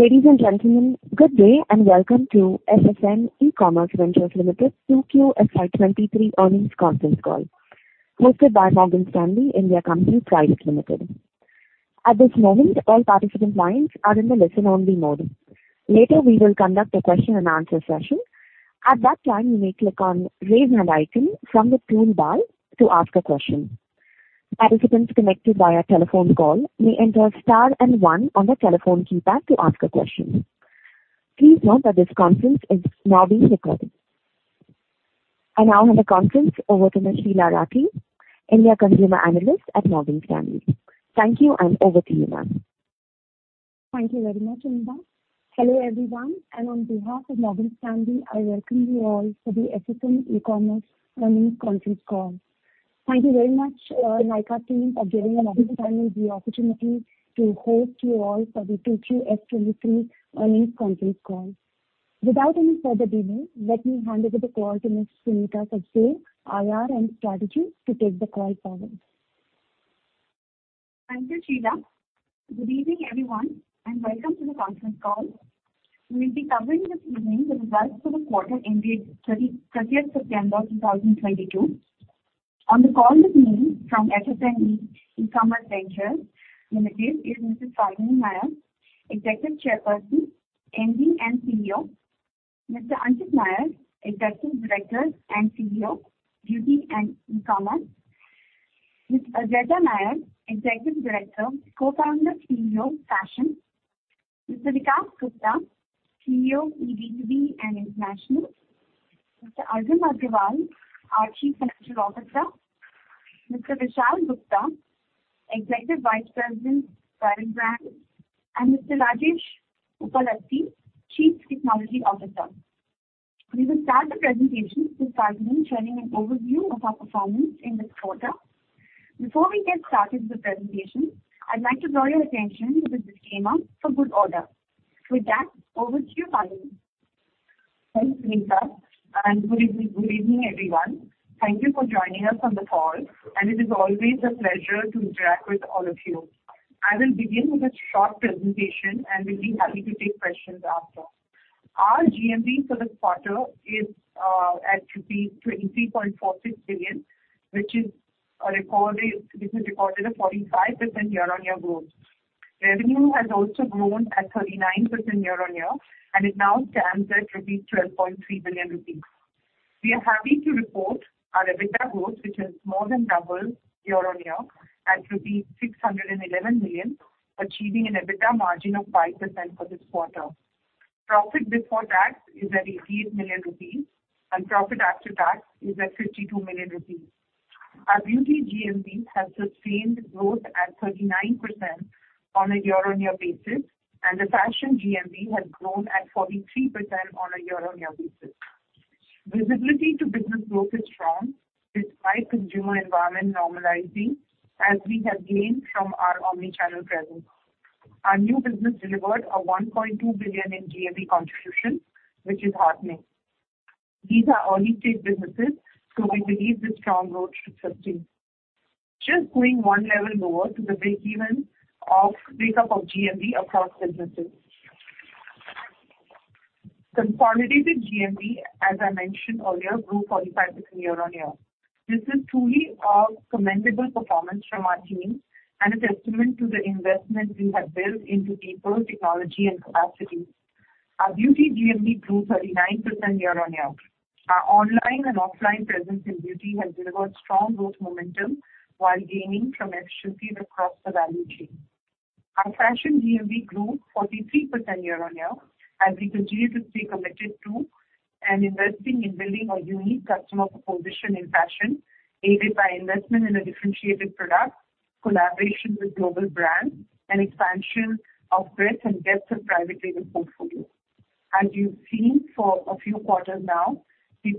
Ladies and gentlemen, good day and welcome to FSN E-Commerce Ventures Limited 2Q FY 2023 Earnings Conference Call hosted by Morgan Stanley India Company Private Limited. At this moment, all participant lines are in the listen-only mode. Later, we will conduct a question-and-answer session. At that time, you may click on Raise Hand icon from the toolbar to ask a question. Participants connected via telephone call may enter star and one on the telephone keypad to ask a question. Please note that this conference is now being recorded. I now hand the conference over to Ms. Sheela Rathi, India Consumer Analyst at Morgan Stanley. Thank you, and over to you, ma'am. Thank you very much, Anita. Hello, everyone, and on behalf of Morgan Stanley, I welcome you all for the FSN E-Commerce Earnings Conference Call. Thank you very much, Nykaa team for giving Morgan Stanley the opportunity to host you all for the 2Q FY 2023 Earnings Conference Call. Without any further delay, let me hand over the call to Ms. Sunita Sadbai, IR and Strategy, to take the call forward. Thank you, Sheela. Good evening, everyone, and welcome to the conference call. We'll be covering this evening the results for the quarter ended 30th September 2022. On the call with me from FSN E-Commerce Ventures Limited is Mrs. Falguni Nayar, Executive Chairperson, MD and CEO, Mr. Anchit Nayar, Executive Director and CEO, Beauty and eCommerce, Ms. Adwaita Nayar, Executive Director, Co-founder, CEO, Fashion, Mr. Vikas Gupta, CEO, B2B and International, Mr. Arvind Agarwal, our Chief Financial Officer, Mr. Vishal Gupta, Executive Vice President, Private Brand, and Mr. Rajesh Uppalapati, Chief Technology Officer. We will start the presentation with Falguni sharing an overview of our performance in this quarter. Before we get started with the presentation, I'd like to draw your attention to the disclaimer for good order. With that, over to you, Falguni. Thanks, Sunita, and good evening, everyone. Thank you for joining us on the call, and it is always a pleasure to interact with all of you. I will begin with a short presentation and will be happy to take questions after. Our GMV for this quarter is at rupees 23.46 billion, which has recorded a 45% year-on-year growth. Revenue has also grown at 39% year-on-year, and it now stands at 12.3 billion rupees. We are happy to report our EBITDA growth, which has more than doubled year-on-year at 611 million, achieving an EBITDA margin of 5% for this quarter. Profit before tax is at 88 million rupees, and profit after tax is at 52 million rupees. Our beauty GMV has sustained growth at 39% on a year-on-year basis, and the fashion GMV has grown at 43% on a year-on-year basis. Visibility to business growth is strong despite consumer environment normalizing as we have gained from our omni-channel presence. Our new business delivered 1.2 billion in GMV contribution, which is heartening. These are early-stage businesses, so we believe this strong growth should sustain. Just going one level lower to the breakdown of break-up of GMV across businesses. Consolidated GMV, as I mentioned earlier, grew 45% year-on-year. This is truly a commendable performance from our team and a testament to the investment we have built into people, technology and capacity. Our beauty GMV grew 39% year-on-year. Our online and offline presence in beauty has delivered strong growth momentum while gaining from efficiencies across the value chain. Our fashion GMV grew 43% year-on-year as we continue to stay committed to and investing in building a unique customer proposition in fashion, aided by investment in a differentiated product, collaboration with global brands and expansion of breadth and depth of private label portfolio. As you've seen for a few quarters now, we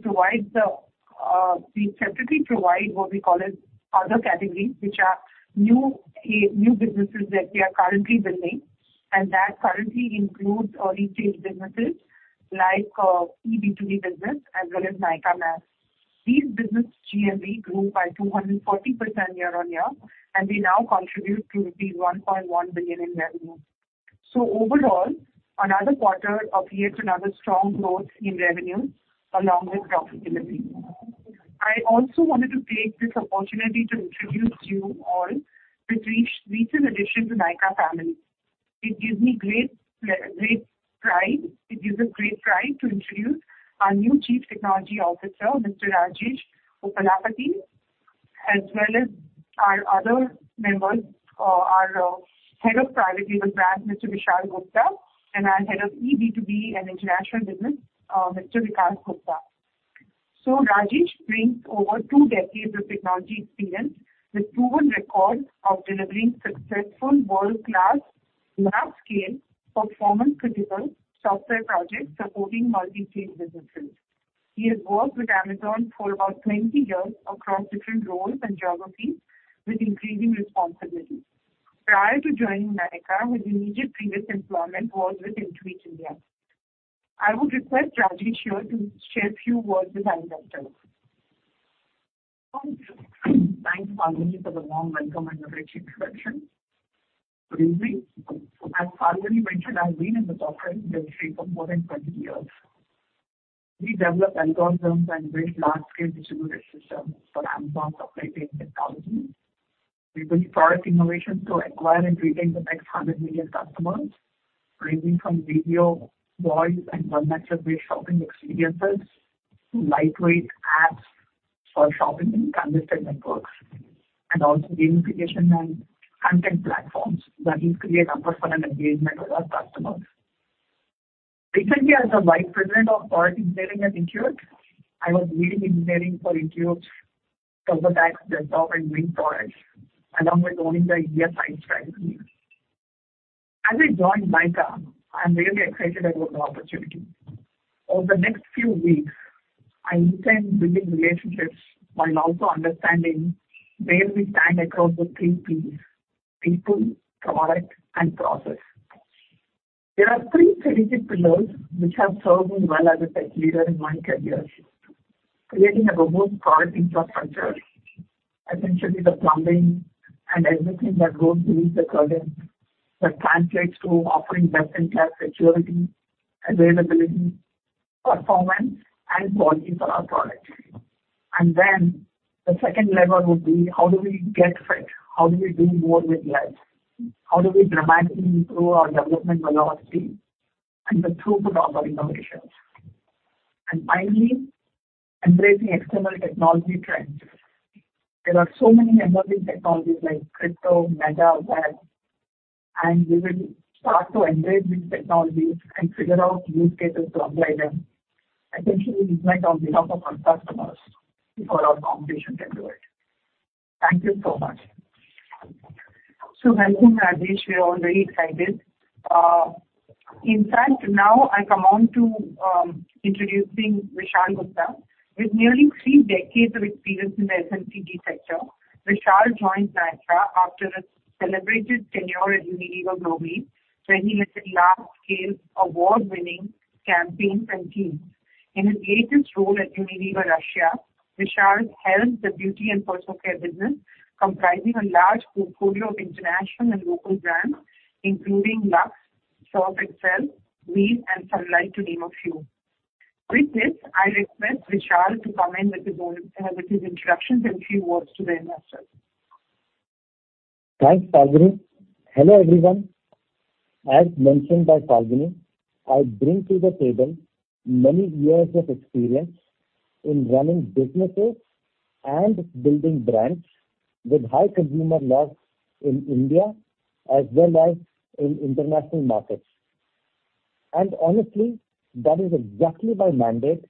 separately provide what we call as other categories, which are new businesses that we are currently building, and that currently includes our retail businesses like B2B business as well as Nykaa Man. These business GMV grew by 240% year-on-year, and they now contribute to 1.1 billion in revenue. Overall, another quarter of yet another strong growth in revenue along with profitability. I also wanted to take this opportunity to introduce you all with recent addition to Nykaa family. It gives us great pride to introduce our new Chief Technology Officer, Mr. Rajesh Uppalapati, as well as our other members, our Head of Private Label Brand, Mr. Vishal Gupta, and our Head of B2B and International Business, Mr. Vikas Gupta. Rajesh brings over two decades of technology experience with proven record of delivering successful world-class, large-scale, performance-critical software projects supporting multi-tier businesses. He has worked with Amazon for about 20 years across different roles and geographies with increasing responsibilities. Prior to joining Nykaa, his immediate previous employment was with Intuit India. I would request Rajesh here to share a few words with our investors. Thanks, Falguni, for the warm welcome and the rich introduction. Good evening. As Falguni mentioned, I've been in the software industry for more than 20 years. We develop algorithms and build large-scale distributed systems for Amazon's operating technology. We bring product innovation to acquire and retain the next 100 million customers, ranging from video, voice, and one-click-based shopping experiences to lightweight apps for shopping in transit networks, and also gamification and content platforms that increase engagement with our customers. Recently, as the vice president of product engineering at Intuit, I was leading engineering for Intuit's tax, desktop, and web products, along with owning the EF science track team. As I join Nykaa, I'm really excited about the opportunity. Over the next few weeks, I intend building relationships while also understanding where we stand across the three Ps, people, product, and process. There are three strategic pillars which have served me well as a tech leader in my careers. Creating a robust product infrastructure, essentially the plumbing and everything that goes beneath the surface, that translates to offering best-in-class security, availability, performance, and quality for our products. The second lever would be how do we get fit? How do we do more with less? How do we dramatically improve our development velocity and the throughput of our innovations? Embracing external technology trends. There are so many emerging technologies like crypto, metaverse, Web3, and we will start to embrace these technologies and figure out use cases to apply them. I think we will ignite on behalf of our customers before our competition can do it. Thank you so much. Welcome, Rajesh. We are all very excited. Introducing Vishal Gupta. With nearly three decades of experience in the FMCG sector, Vishal joined Nykaa after a celebrated tenure at Unilever globally, where he led large-scale award-winning campaigns and teams. In his latest role at Unilever Russia, Vishal helmed the beauty and personal care business, comprising a large portfolio of international and local brands, including Lux, Surf Excel, Vim, and Sunlight to name a few. With this, I request Vishal to come in with his introductions and few words to the investors. Thanks, Falguni. Hello, everyone. As mentioned by Falguni, I bring to the table many years of experience in running businesses and building brands with high consumer love in India as well as in international markets. Honestly, that is exactly my mandate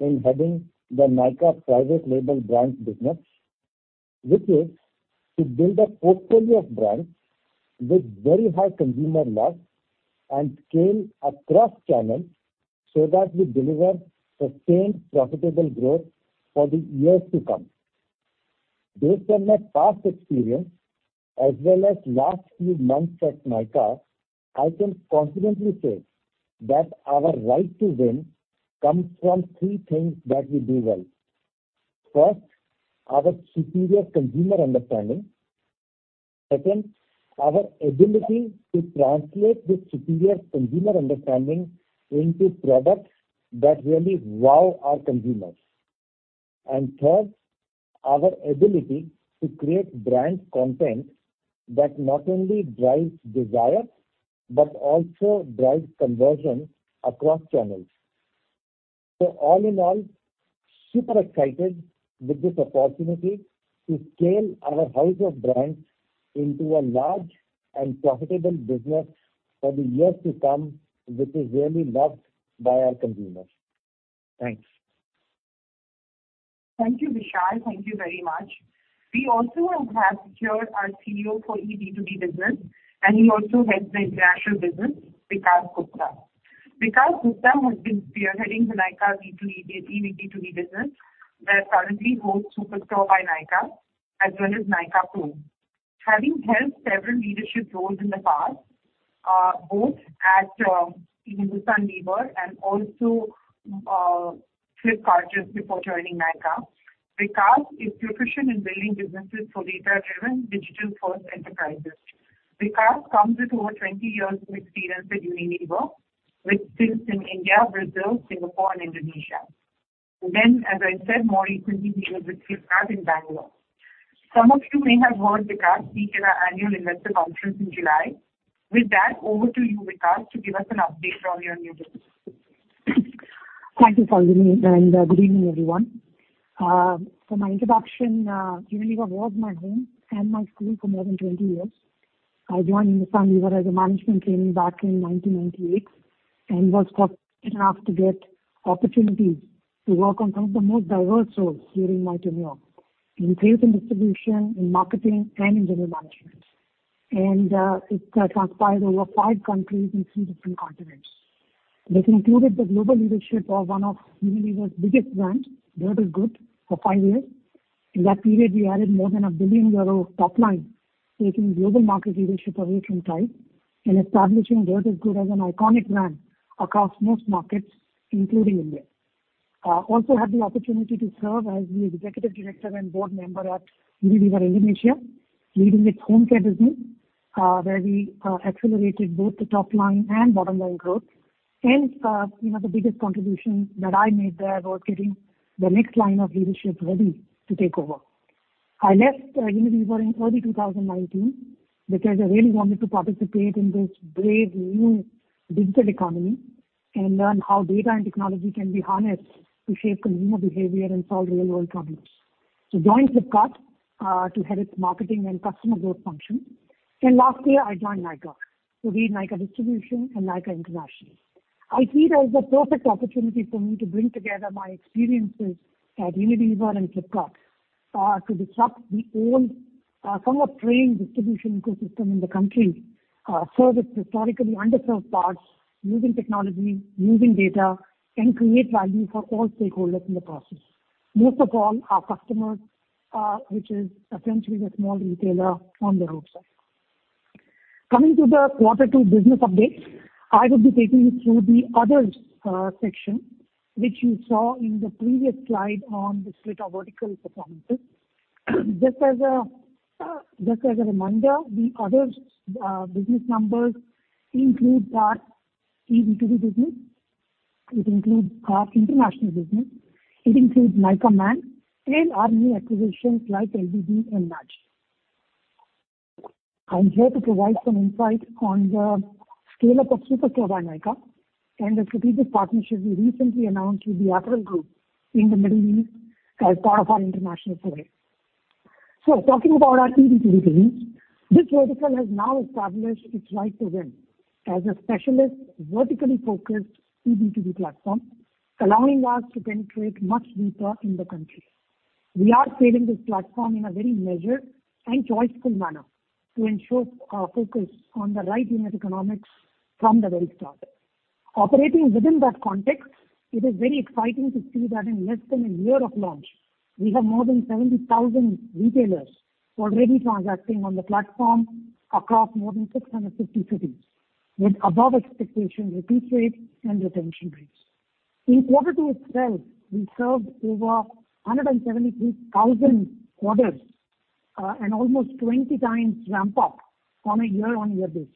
in heading the Nykaa private label brands business, which is to build a portfolio of brands with very high consumer love and scale across channels so that we deliver sustained profitable growth for the years to come. Based on my past experience, as well as last few months at Nykaa, I can confidently say that our right to win comes from three things that we do well. First, our superior consumer understanding. Second, our ability to translate this superior consumer understanding into products that really wow our consumers. Third, our ability to create brand content that not only drives desire, but also drives conversion across channels. All in all, super excited with this opportunity to scale our house of brands into a large and profitable business for the years to come, which is really loved by our consumers. Thanks. Thank you, Vishal. Thank you very much. We also have secured our CEO for eB2B business, and he also heads the international business, Vikas Gupta. Vikas Gupta has been spearheading the Nykaa eB2B business that currently holds Superstore by Nykaa as well as Nykaa Pro. Having held several leadership roles in the past, both at Hindustan Unilever and also Flipkart just before joining Nykaa, Vikas is p roficient in building businesses for data-driven digital-first enterprises. Vikas comes with over 20 years of experience at Unilever, with stints in India, Brazil, Singapore, and Indonesia. As I said more recently, he was with Flipkart in Bengaluru. Some of you may have heard Vikas speak at our annual investor conference in July. With that, over to you, Vikas, to give us an update on your new business. Thank you, Falguni, and good evening, everyone. For my introduction, Unilever was my home and my school for more than 20 years. I joined Hindustan Unilever as a management trainee back in 1998 and was fortunate enough to get opportunities to work on some of the most diverse roles during my tenure in sales and distribution, in marketing, and in general management. It transpired over five countries in three different continents. This included the global leadership of one of Unilever's biggest brands, Dove soap, for five years. In that period, we added more than 1 billion euro top line. Taking global market leadership away from Tide and establishing Dirt is Good as an iconic brand across most markets, including India. Also had the opportunity to serve as the executive director and board member at Unilever Indonesia, leading its home care business, where we accelerated both the top line and bottom line growth. You know, the biggest contribution that I made there was getting the next line of leadership ready to take over. I left Unilever in early 2019 because I really wanted to participate in this brave new digital economy and learn how data and technology can be harnessed to shape consumer behavior and solve real-world problems. Joined Flipkart to head its marketing and customer growth function. Last year I joined Nykaa to lead Nykaa Distribution and Nykaa International. I see it as the perfect opportunity for me to bring together my experiences at Unilever and Flipkart, to disrupt the old, somewhat entrenched distribution ecosystem in the country, serve historically underserved parts using technology, using data, and create value for all stakeholders in the process. Most of all, our customers, which is essentially the small retailer on the roadside. Coming to the quarter two business updates, I will be taking you through the others section, which you saw in the previous slide on the split of vertical performances. Just as a reminder, the others business numbers include our B2B business. It includes our international business. It includes Nykaa Man and our new acquisitions like LBB and Nudge. I'm here to provide some insight on the scale-up of Superstore by Nykaa and the strategic partnership we recently announced with the Apparel Group in the Middle East as part of our international foray. Talking about our B2B business, this vertical has now established its right to win as a specialist, vertically focused B2B platform, allowing us to penetrate much deeper in the country. We are scaling this platform in a very measured and choiceful manner to ensure our focus on the right unit economics from the very start. Operating within that context, it is very exciting to see that in less than a year of launch, we have more than 70,000 retailers already transacting on the platform across more than 650 cities, with above expectation repeat rates and retention rates. In quarter two itself, we served over 173,000 orders, an almost 20x ramp-up on a year-on-year basis.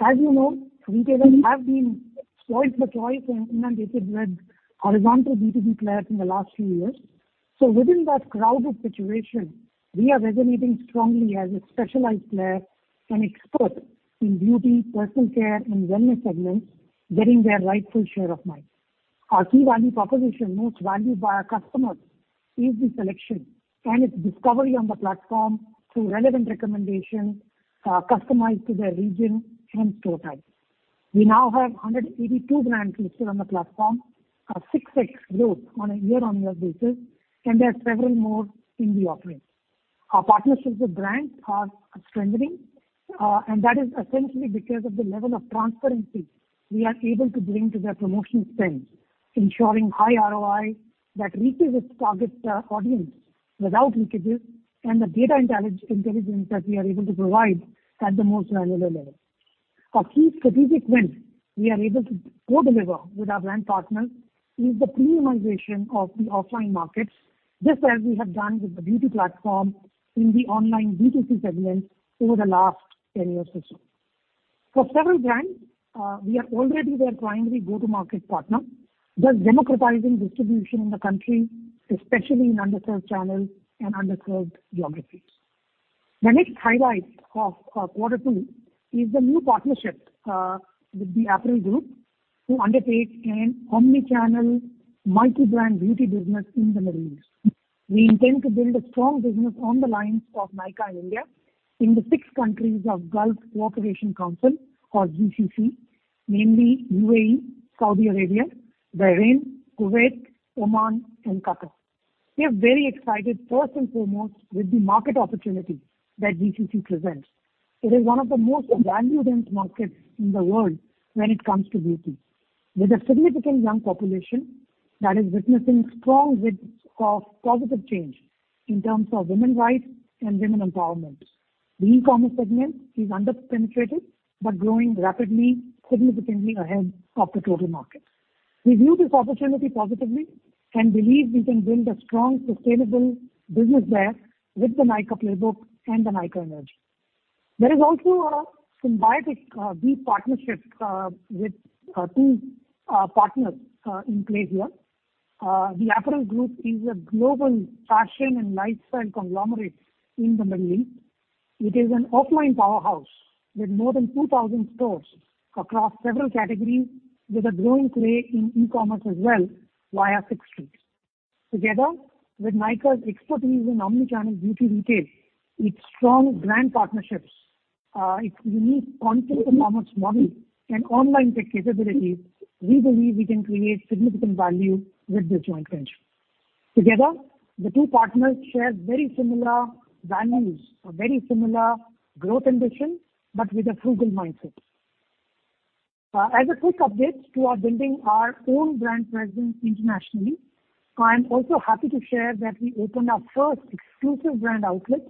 As you know, retailers have been spoiled for choice and inundated with horizontal B2B players in the last few years. Within that crowded situation, we are resonating strongly as a specialized player and expert in beauty, personal care and wellness segments, getting their rightful share of mind. Our key value proposition most valued by our customers is the selection and its discovery on the platform through relevant recommendations, customized to their region and store type. We now have 182 brands listed on the platform, a 6x growth on a year-on-year basis, and there are several more in the offering. Our partnerships with brands are strengthening, and that is essentially because of the level of transparency we are able to bring to their promotion spends, ensuring high ROI that reaches its target, audience without leakages and the data intelligence that we are able to provide at the most granular level. Our key strategic wins we are able to co-deliver with our brand partners is the premiumization of the offline markets, just as we have done with the beauty platform in the online B2C segment over the last 10 years or so. For several brands, we are already their primary go-to-market partner, thus democratizing distribution in the country, especially in underserved channels and underserved geographies. The next highlight of quarter two is the new partnership with the Apparel Group to undertake an omni-channel multi-brand beauty business in the Middle East. We intend to build a strong business on the lines of Nykaa in India in the six countries of Gulf Cooperation Council, or GCC, namely UAE, Saudi Arabia, Bahrain, Kuwait, Oman and Qatar. We are very excited first and foremost with the market opportunity that GCC presents. It is one of the most value-dense markets in the world when it comes to beauty, with a significant young population that is witnessing strong winds of positive change in terms of women rights and women empowerment. The e-commerce segment is under-penetrated but growing rapidly, significantly ahead of the total market. We view this opportunity positively and believe we can build a strong, sustainable business there with the Nykaa playbook and the Nykaa energy. There is also a symbiotic deep partnership with two partners in play here. The Apparel Group is a global fashion and lifestyle conglomerate in the Middle East. It is an offline powerhouse with more than 2,000 stores across several categories with a growing play in e-commerce as well via 6thStreet. Together with Nykaa's expertise in omni-channel beauty retail, its strong brand partnerships, its unique content in commerce model and online tech capabilities, we believe we can create significant value with this joint venture. Together, the two partners share very similar values, a very similar growth ambition, but with a frugal mindset. As a quick update to our building our own brand presence internationally, I'm also happy to share that we opened our first exclusive brand outlet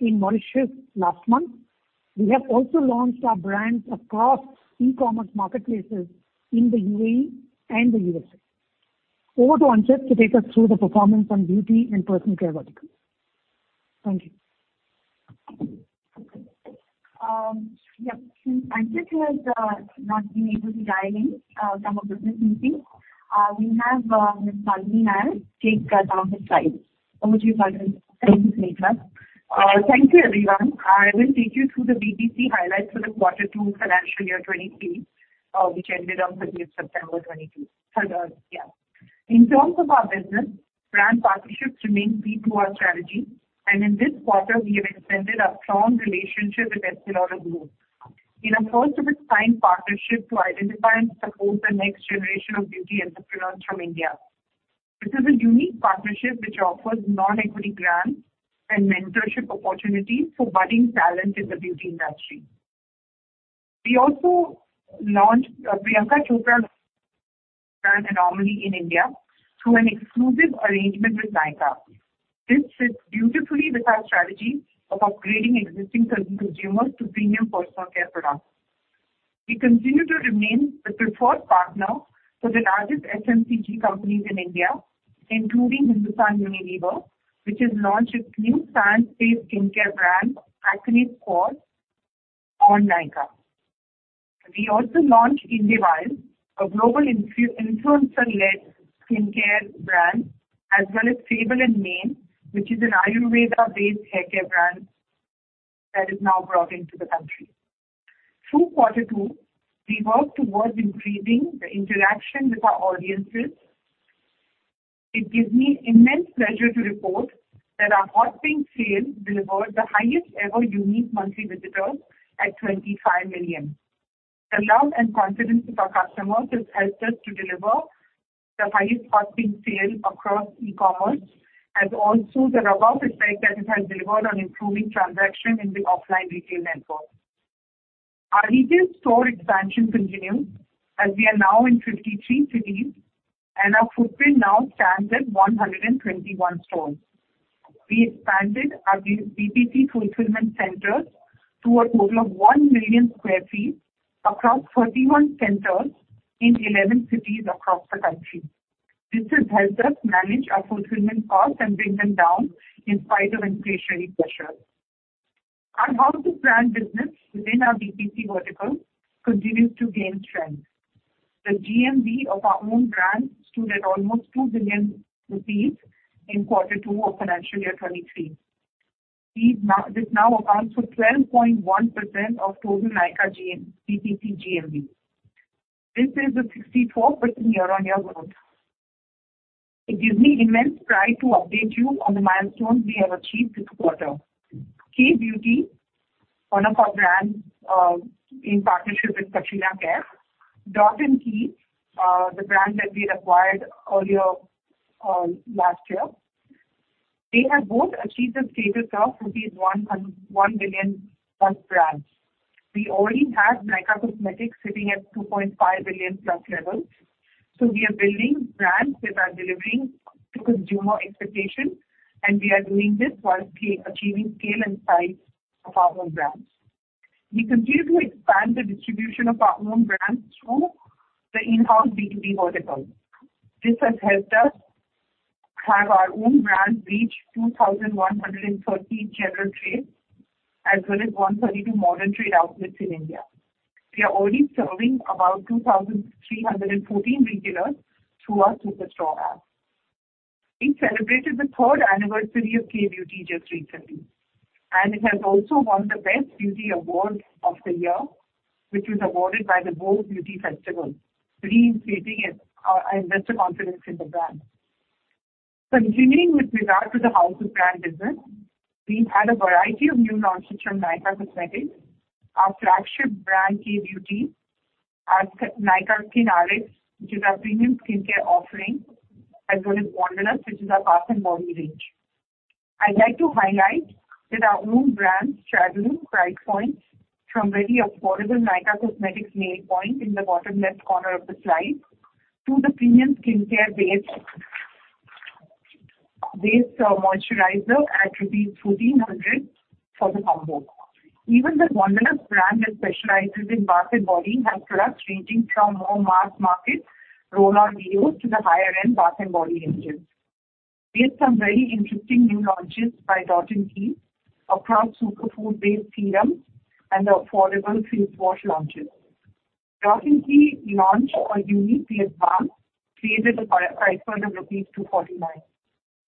in Mauritius last month. We have also launched our brands across e-commerce marketplaces in the UAE and the USA. Over to Anchit Nayar to take us through the performance on beauty and personal care verticals. Thank you. Since Anchit has not been able to dial in from a business meeting, we have Ms. Padmini Nair take us on the slide. Over to you, Padmini. Thank you, Sunita. Thank you, everyone. I will take you through the BPC highlights for the quarter two financial year 2023, which ended on 30th September 2022. In terms of our business, brand partnerships remain key to our strategy. In this quarter, we have extended our strong relationship with The Estée Lauder Companies in a first of its kind partnership to identify and support the next generation of beauty entrepreneurs from India. This is a unique partnership which offers non-equity grants and mentorship opportunities for budding talent in the beauty industry. We also launched Priyanka Chopra's brand Anomaly in India through an exclusive arrangement with Nykaa. This fits beautifully with our strategy of upgrading existing consumers to premium personal care products. We continue to remain the preferred partner for the largest FMCG companies in India, including Hindustan Unilever, which has launched its new science-based skincare brand, Acne Squad, on Nykaa. We also launched Inde Wild, a global influencer-led skincare brand, as well as Fable & Mane, which is an Ayurveda-based haircare brand that is now brought into the country. Through quarter two, we worked towards increasing the interaction with our audiences. It gives me immense pleasure to report that our Hot Pink Sale delivered the highest ever unique monthly visitors at 25 million. The love and confidence of our customers has helped us to deliver the highest Hot Pink Sale across e-commerce, and also the robust effect that it has delivered on improving transaction in the offline retail network. Our retail store expansion continues, as we are now in 53 cities, and our footprint now stands at 121 stores. We expanded our B2C BPC fulfillment centers to a total of 1 million sq ft across 31 centers in 11 cities across the country. This has helped us manage our fulfillment costs and bring them down in spite of inflationary pressures. Our house of brands business within our BPC vertical continues to gain strength. The GMV of our own brands stood at almost 2 billion rupees in quarter two of financial year 2023. This now accounts for 12.1% of total Nykaa BPC GMV. This is a 64% year-on-year growth. It gives me immense pride to update you on the milestones we have achieved this quarter. Kay Beauty, one of our brands, in partnership with Katrina Kaif, Dot & Key, the brand that we acquired earlier last year, they have both achieved the status of rupees 1 billion-plus brands. We already have Nykaa Cosmetics sitting at 2.5 billion-plus levels. We are building brands that are delivering to consumer expectations, and we are doing this while achieving scale and size of our own brands. We continue to expand the distribution of our own brands through the in-house B2B vertical. This has helped us have our own brands reach 2,130 general trades as well as 132 modern trade outlets in India. We are already serving about 2,314 retailers through our superstore app. We celebrated the third anniversary of Kay Beauty just recently, and it has also won the Best Beauty Award of the Year, which was awarded by the Bold Beauty Festival, reinforcing our investor confidence in the brand. Continuing with regard to the house of brand business, we've had a variety of new launches from Nykaa Cosmetics. Our flagship brand, Kay Beauty, has Nykaa SKINRX, which is our premium skincare offering, as well as Wanderlust, which is our bath and body range. I'd like to highlight that our own brands straddle price points from very affordable Nykaa Cosmetics nail paint in the bottom left corner of the slide to the premium skincare base moisturizer at rupees 1,400 for the combo. Even the Wanderlust brand that specializes in bath and body has products ranging from more mass market roll-on DEOs to the higher end bath and body ranges. We have some very interesting new launches by Dot & Key across superfood-based serums and affordable face wash launches. Dot & Key launch our unique face balm created a price point of rupees 249,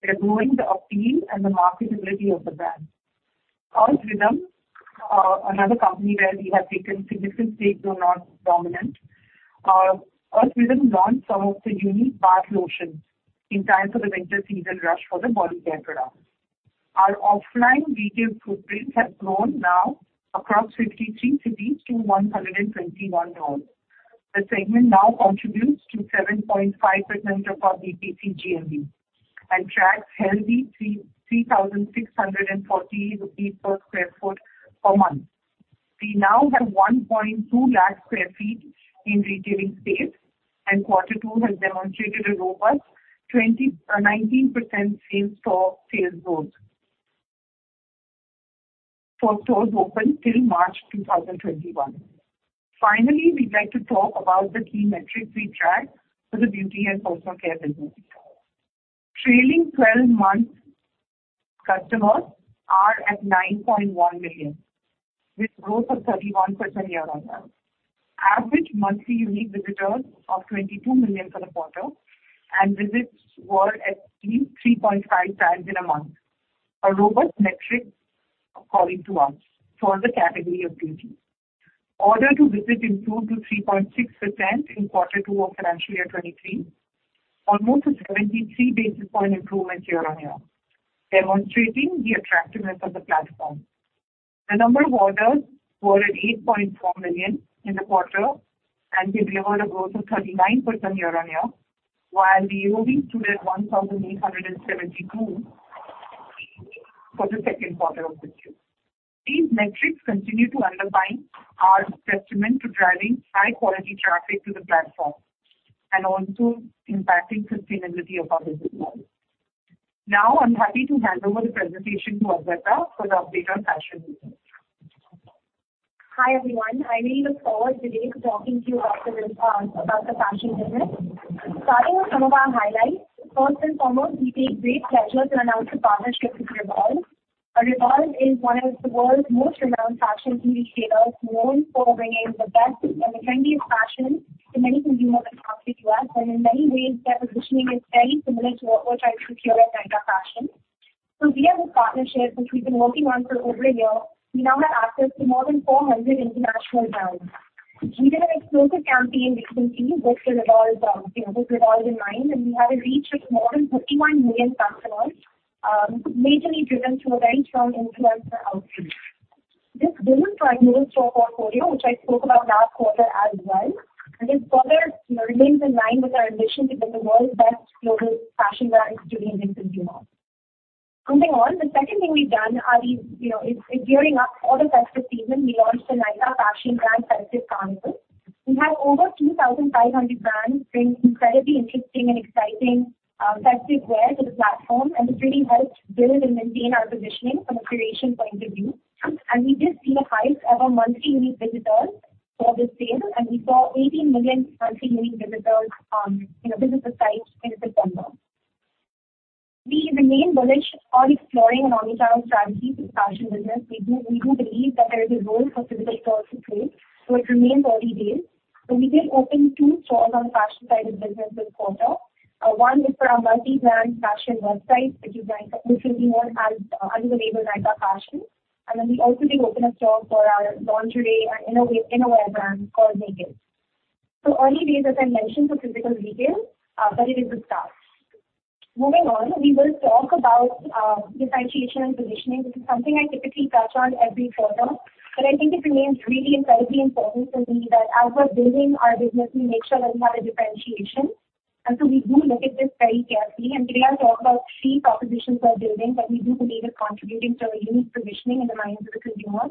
thereby growing the appeal and the marketability of the brand. Earth Rhythm, another company where we have taken significant stakes, though not dominant. Earth Rhythm launched some of the unique bath lotions in time for the winter season rush for the body care products. Our offline retail footprint has grown now across 53 cities to 121 stores. The segment now contributes to 7.5% of our BPC GMV. Tracks healthy 3,640 rupees per sq ft per month. We now have 1.2 lakh sq ft in retailing space, and quarter two has demonstrated a robust 19% same store sales growth for stores open till March 2021. Finally, we'd like to talk about the key metrics we track for the beauty and personal care business. Trailing twelve months customers are at 9.1 million, with growth of 31% year-on-year. Average monthly unique visitors of 22 million for the quarter and visits were at least 3.5x in a month. A robust metric according to us for the category of beauty. Order-to-visit improved to 3.6% in quarter two of financial year 2023, almost a 73 basis point improvement year-on-year, demonstrating the attractiveness of the platform. The number of orders were at 8.4 million in the quarter and delivered a growth of 39% year-on-year, while the AOV stood at 1,872 for the second quarter of this year. These metrics continue to underline our testament to driving high quality traffic to the platform and also impacting sustainability of our business model. Now I'm happy to hand over the presentation to Adwaita Nayar for the update on fashion. Hi, everyone. I really look forward today to talking to you about the fashion business. Starting with some of our highlights. First and foremost, we take great pleasure to announce a partnership with Revolve. Revolve is one of the world's most renowned fashion retailers, known for bringing the best and trendiest fashion to many consumers across the U.S. In many ways, their positioning is very similar to what we're trying to do here at Nykaa Fashion. Via this partnership, which we've been working on for over a year, we now have access to more than 400 international brands. We did an exclusive campaign in June with Revolve in mind, and we had a reach of more than 39 million customers, majorly driven through a very strong influencer outreach. This builds our global store portfolio, which I spoke about last quarter as well, and this further remains in line with our ambition to build the world's best global fashion brand delivering to consumers. Moving on. The second thing we've done, you know, is gearing up for the festive season. We launched the Nykaa Fashion Grand Festive Carnival. We had over 2,500 brands bring incredibly interesting and exciting festive wear to the platform, and this really helped build and maintain our positioning from a curation point of view. We did see a hike of our monthly unique visitors for the sale, and we saw 18 million monthly unique visitors, you know, visit the site in September. We remain bullish on exploring an omnichannel strategy for the fashion business. We do believe that there is a role for physical stores to play, so it remains early days. We did open two stores on the fashion side of the business this quarter. One is for our multi-brand fashion website, which is Nykaa, which will be known as under the label Nykaa Fashion. Then we also did open a store for our lingerie and innerwear brand called Nykd. Early days, as I mentioned, for physical retail, it is a start. Moving on, we will talk about differentiation and positioning. This is something I typically touch on every quarter, but I think it remains really incredibly important to me that as we're building our business, we make sure that we have a differentiation. We do look at this very carefully. Today I'll talk about three propositions we're building that we do believe are contributing to our unique positioning in the minds of the consumer.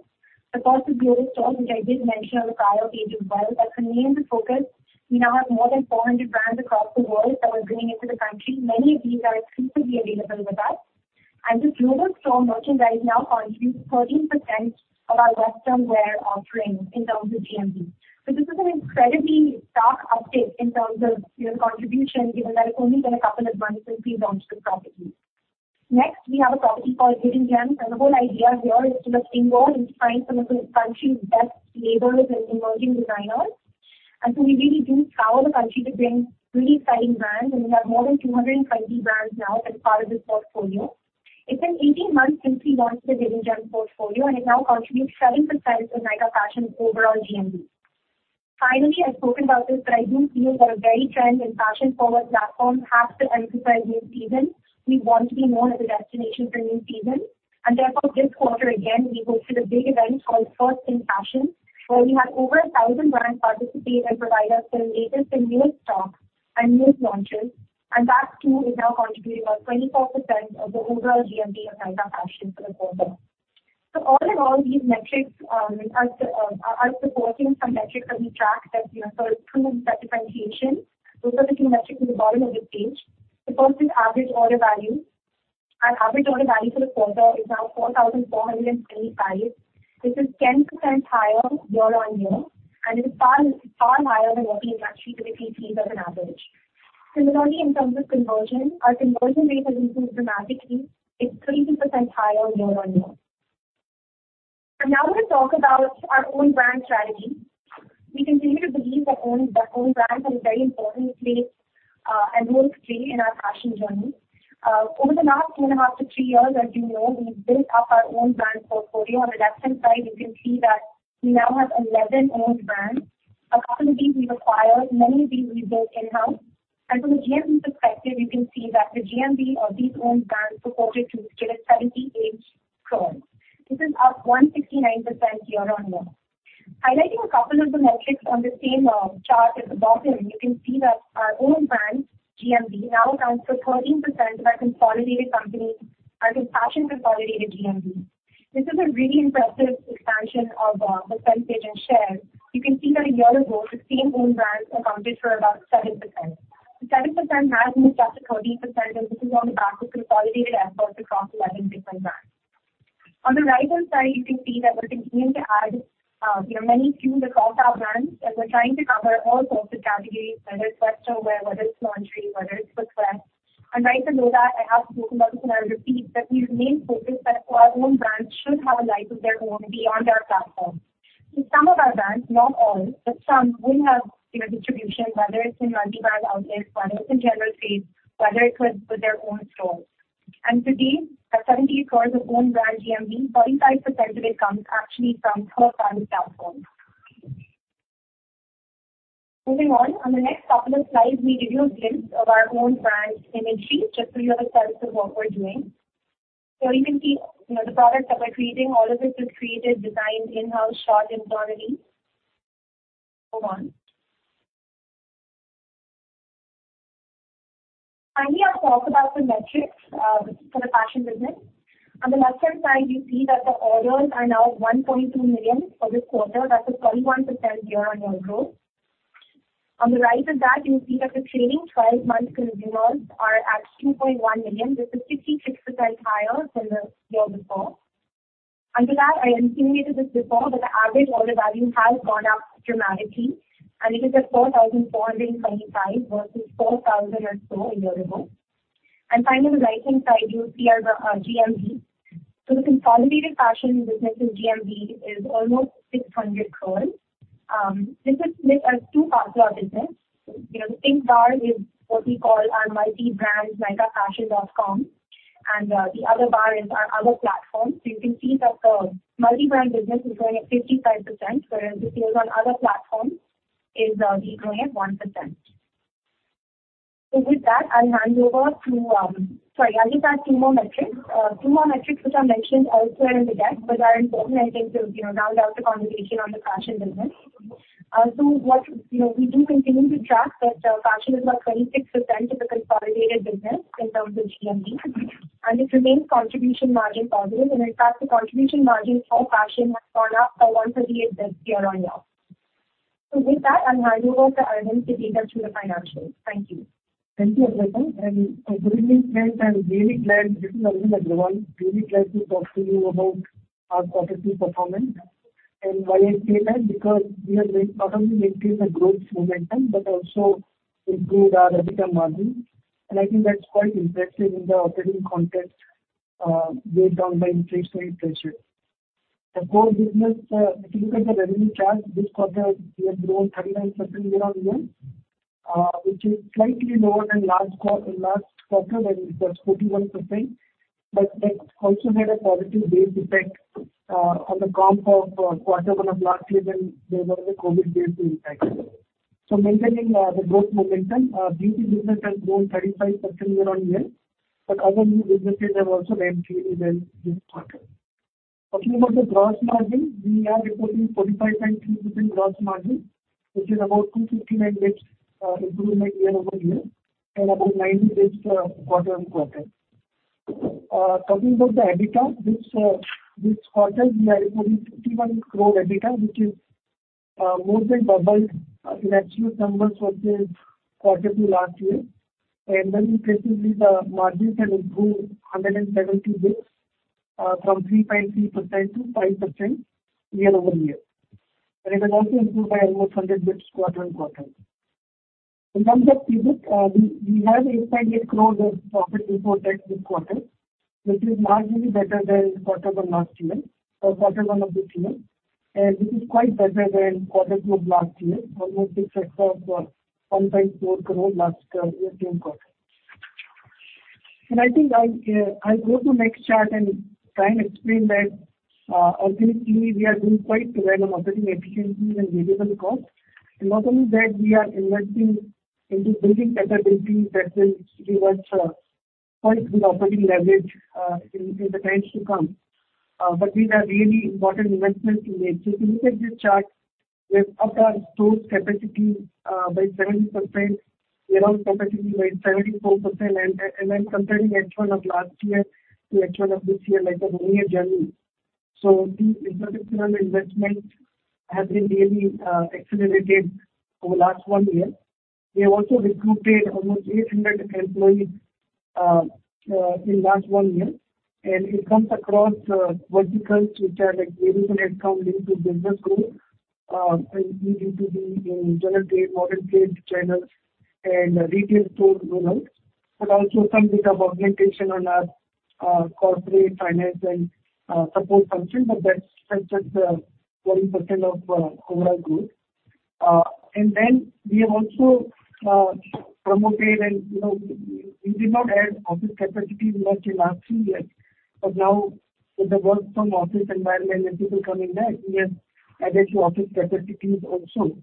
The first is global stores, which I did mention on the prior page as well, but remains a focus. We now have more than 400 brands across the world that we're bringing into the country. Many of these are exclusively available with us. This global store merchandise now contributes 13% of our Western wear offering in terms of GMV. This is an incredibly stark uptake in terms of, you know, contribution, given that it's only been a couple of months since we launched this property. Next, we have a property called Hidden Gems, and the whole idea here is to just involve and find some of the country's best labels and emerging designers. We really do scour the country to bring really exciting brands. We have more than 220 brands now as part of this portfolio. It's been 18 months since we launched the Hidden Gems portfolio, and it now contributes 7% of Nykaa Fashion's overall GMV. Finally, I've spoken about this, but I do feel that a very trend and fashion-forward platform has to emphasize new seasons. We want to be known as a destination for new seasons. This quarter again, we hosted a big event called First in Fashion, where we had over 1,000 brands participate and provide us their latest and newest stock and newest launches. That too is now contributing about 24% of the overall GMV of Nykaa Fashion for the quarter. All in all these metrics are supporting some metrics that we track that, you know, through that differentiation. Those are the two metrics at the bottom of this page. The first is average order value. Our average order value for the quarter is now 4,485. This is 10% higher year-on-year and is far, far higher than what we naturally typically see as an average. Similarly, in terms of conversion, our conversion rate has improved dramatically. It's 30% higher year-on-year. Now we'll talk about our own brand strategy. We continue to believe that own brands have a very important place and role to play in our fashion journey. Over the last two and a half to three years, as you know, we've built up our own brand portfolio. On the left-hand side, you can see that we now have 11 owned brands. A couple of these we've acquired, many of these we built in-house. From a GMV perspective, you can see that the GMV of these owned brands supported to scale at INR 78 crores. This is up 169% year-on-year. Highlighting a couple of the metrics on the same chart at the bottom, you can see that our own brand GMV now accounts for 13% of our consolidated company, our fashion consolidated GMV. This is a really impressive expansion of the percentage and share. You can see that a year ago, the same own brands accounted for about 7%. The 7% has moved up to 13%, and this is on the back of consolidated efforts across 11 different brands. On the right-hand side, you can see that we're continuing to add, you know, many new across our brands, and we're trying to cover all sorts of categories, whether it's footwear, whether it's lingerie. Right below that, I have spoken about this, and I'll repeat, that we remain focused that our own brands should have a life of their own beyond our platform. Some of our brands, not all, but some will have, you know, distribution, whether it's in multi-brand outlets, whether it's in general sales, whether it's with their own stores. Today, at 70 crores of own brand GMV, 45% of it comes actually from third-party platforms. Moving on. On the next couple of slides, we give you a glimpse of our own brand imagery, just so you have a sense of what we're doing. You can see, you know, the products that we're creating. All of this is created, designed in-house, shot internally. Go on. Finally, I'll talk about the metrics for the fashion business. On the left-hand side, you see that the orders are now 1.2 million for this quarter. That's a 31% year-on-year growth. On the right of that, you'll see that the trailing twelve-month consumers are at 2.1 million. This is 56% higher than the year before. Under that, I indicated this before, but the average order value has gone up dramatically, and it is at 4,425 versus 4,000 or so a year ago. Finally, on the right-hand side, you'll see our GMV. The consolidated fashion business's GMV is almost 600 crores. This is split as two parts of our business. You know, the pink bar is what we call our multi-brand nykaafashion.com, and the other bar is our other platform. You can see that the multi-brand business is growing at 55%, whereas the sales on other platforms is growing at 1%. With that, I'll hand over to, sorry, I'll just add two more metrics. Two more metrics which are mentioned elsewhere in the deck, but are important, I think, to you know, round out the conversation on the fashion business. You know, we do continue to track that fashion is about 26% of the consolidated business in terms of GMV, and it remains contribution margin positive. In fact, the contribution margin for fashion has gone up to 138 this year-on-year. With that, I'll hand over to Arvind Agarwal to take us through the financials. Thank you. Thank you, Adwaita. Good evening. I'm really glad. This is Arvind Agarwal. Really glad to talk to you about our quarter two performance. Why I say that, because we have not only maintained the growth momentum but also improved our EBITDA margin, and I think that's quite impressive in the operating context, weighed down by inflationary pressures. The core business, if you look at the revenue chart, this quarter we have grown 39% year-on-year, which is slightly lower than last quarter when it was 41%. That also had a positive base effect, on the comp of quarter one of last year when there was a COVID base impact. Maintaining the growth momentum, beauty business has grown 35% year-on-year, but other new businesses have also maintained a very good quarter. Talking about the gross margin, we are reporting 45.3% gross margin, which is about 250 basis points improvement year over year and about 90 basis points quarter on quarter. Talking about the EBITDA, this quarter we are reporting 51 crore EBITDA, which is more than double in absolute numbers versus Q2 last year. Impressively the margins have improved 170 basis points from 3.3%-5% year over year. It has also improved by almost 100 basis points quarter on quarter. In terms of PBIT, we have INR 8.8 crore of profit we posted this quarter, which is largely better than Q1 last year, Q1 of this year. This is quite better than quarter two of last year, almost 60% extra of INR 1.4 crore last year's quarter two. I think I'll go to next chart and try and explain that organically we are doing quite well on operating efficiencies and variable costs. Not only that, we are investing into building capabilities that will give us quite good operating leverage in the times to come. These are really important investments to make. If you look at this chart, we have upped our storage capacity by 70%, warehouse capacity by 74%, and I'm comparing H1 of last year to H1 of this year like a one-year journey. The infrastructural investment has been really accelerated over last one year. We have also recruited almost 800 employees in last 1 year, and it comes across verticals which are like delivering headcount linked to business growth, and due to the general trade, modern trade channels and retail store roll-outs, but also some bit of augmentation on our corporate finance and support functions, but that's such as 20% of overall growth. Then we have also promoted and, you know, we did not add office capacities much in last two years. Now with the work from office environment and people coming back, we have added to office capacities also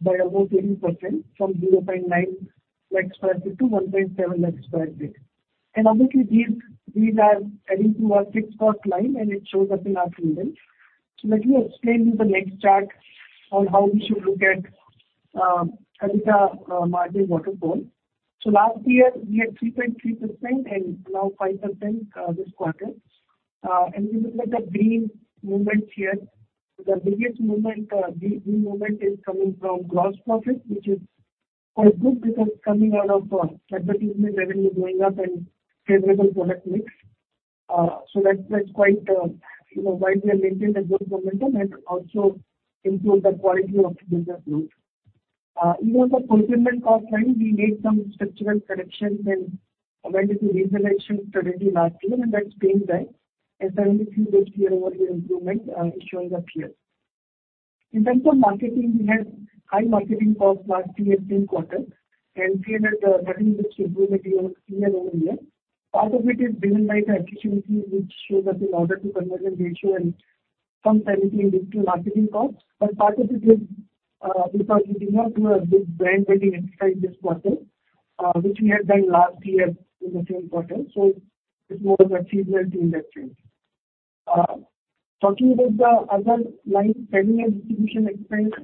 by about 18% from 0.9 lakh sq ft-.7 lakh sq ft. Obviously these are adding to our fixed cost line and it shows up in our table. Let me explain in the next chart on how we should look at EBITDA margin waterfall. Last year we had 3.3% and now 5% this quarter. If you look at the green movement here, the biggest movement, the green movement is coming from gross profit, which is quite good because it's coming out of advertising revenue going up and favorable product mix. That's quite, you know, why we have maintained a good momentum and also improved the quality of the business growth. Even the fulfillment cost line, we made some structural corrections and went into automation last year, and that's paying back as the only year-over-year improvement is showing up here. In terms of marketing, we had high marketing costs last year same quarter and we have had a marginal improvement year-over-year. Part of it is driven by the efficiency which shows up in order to conversion ratio and some sanity in digital marketing costs. Part of it is because we did not do a big brand building exercise this quarter, which we had done last year in the same quarter. It's more of a seasonal thing that changed. Talking about the other line, selling and distribution expense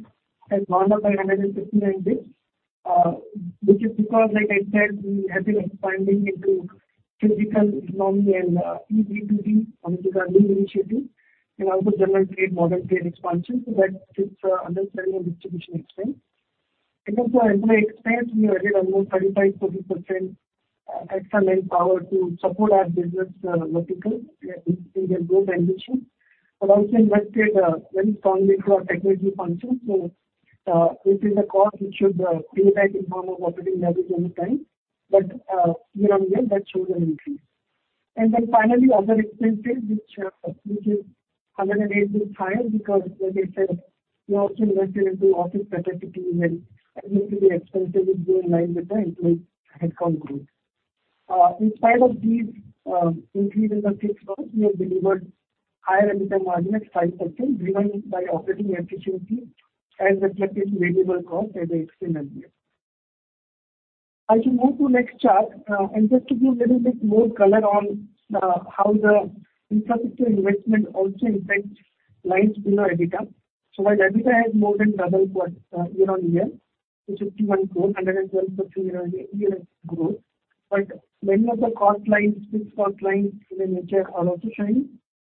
has gone up by 159 basis points. Which is because, like I said, we have been expanding into physical economy and B2B under the new initiative and also general trade, modern trade expansion. That is understanding our distribution expense. In terms of employee expense, we added almost 35%-40% external manpower to support our business verticals in their growth ambition. We've also invested very strongly through our technology functions. It is a cost which should pay back in form of operating leverage anytime. Year-on-year, that shows an increase. Then finally, other expenses which is 108 basis points higher because like I said, we also invested into office connectivity and employee expenses is going in line with the employee headcount growth. In spite of these increase in the fixed cost, we have delivered higher EBITDA margin at 5% driven by operating efficiency and the checklist variable cost as I explained earlier. As you move to next chart and just to give little bit more color on how the infrastructure investment also impacts lines below EBITDA. While EBITDA has more than doubled year-on-year to INR 51 crore, 112% year-on-year growth. Many of the cost lines, fixed cost lines in a nature are also showing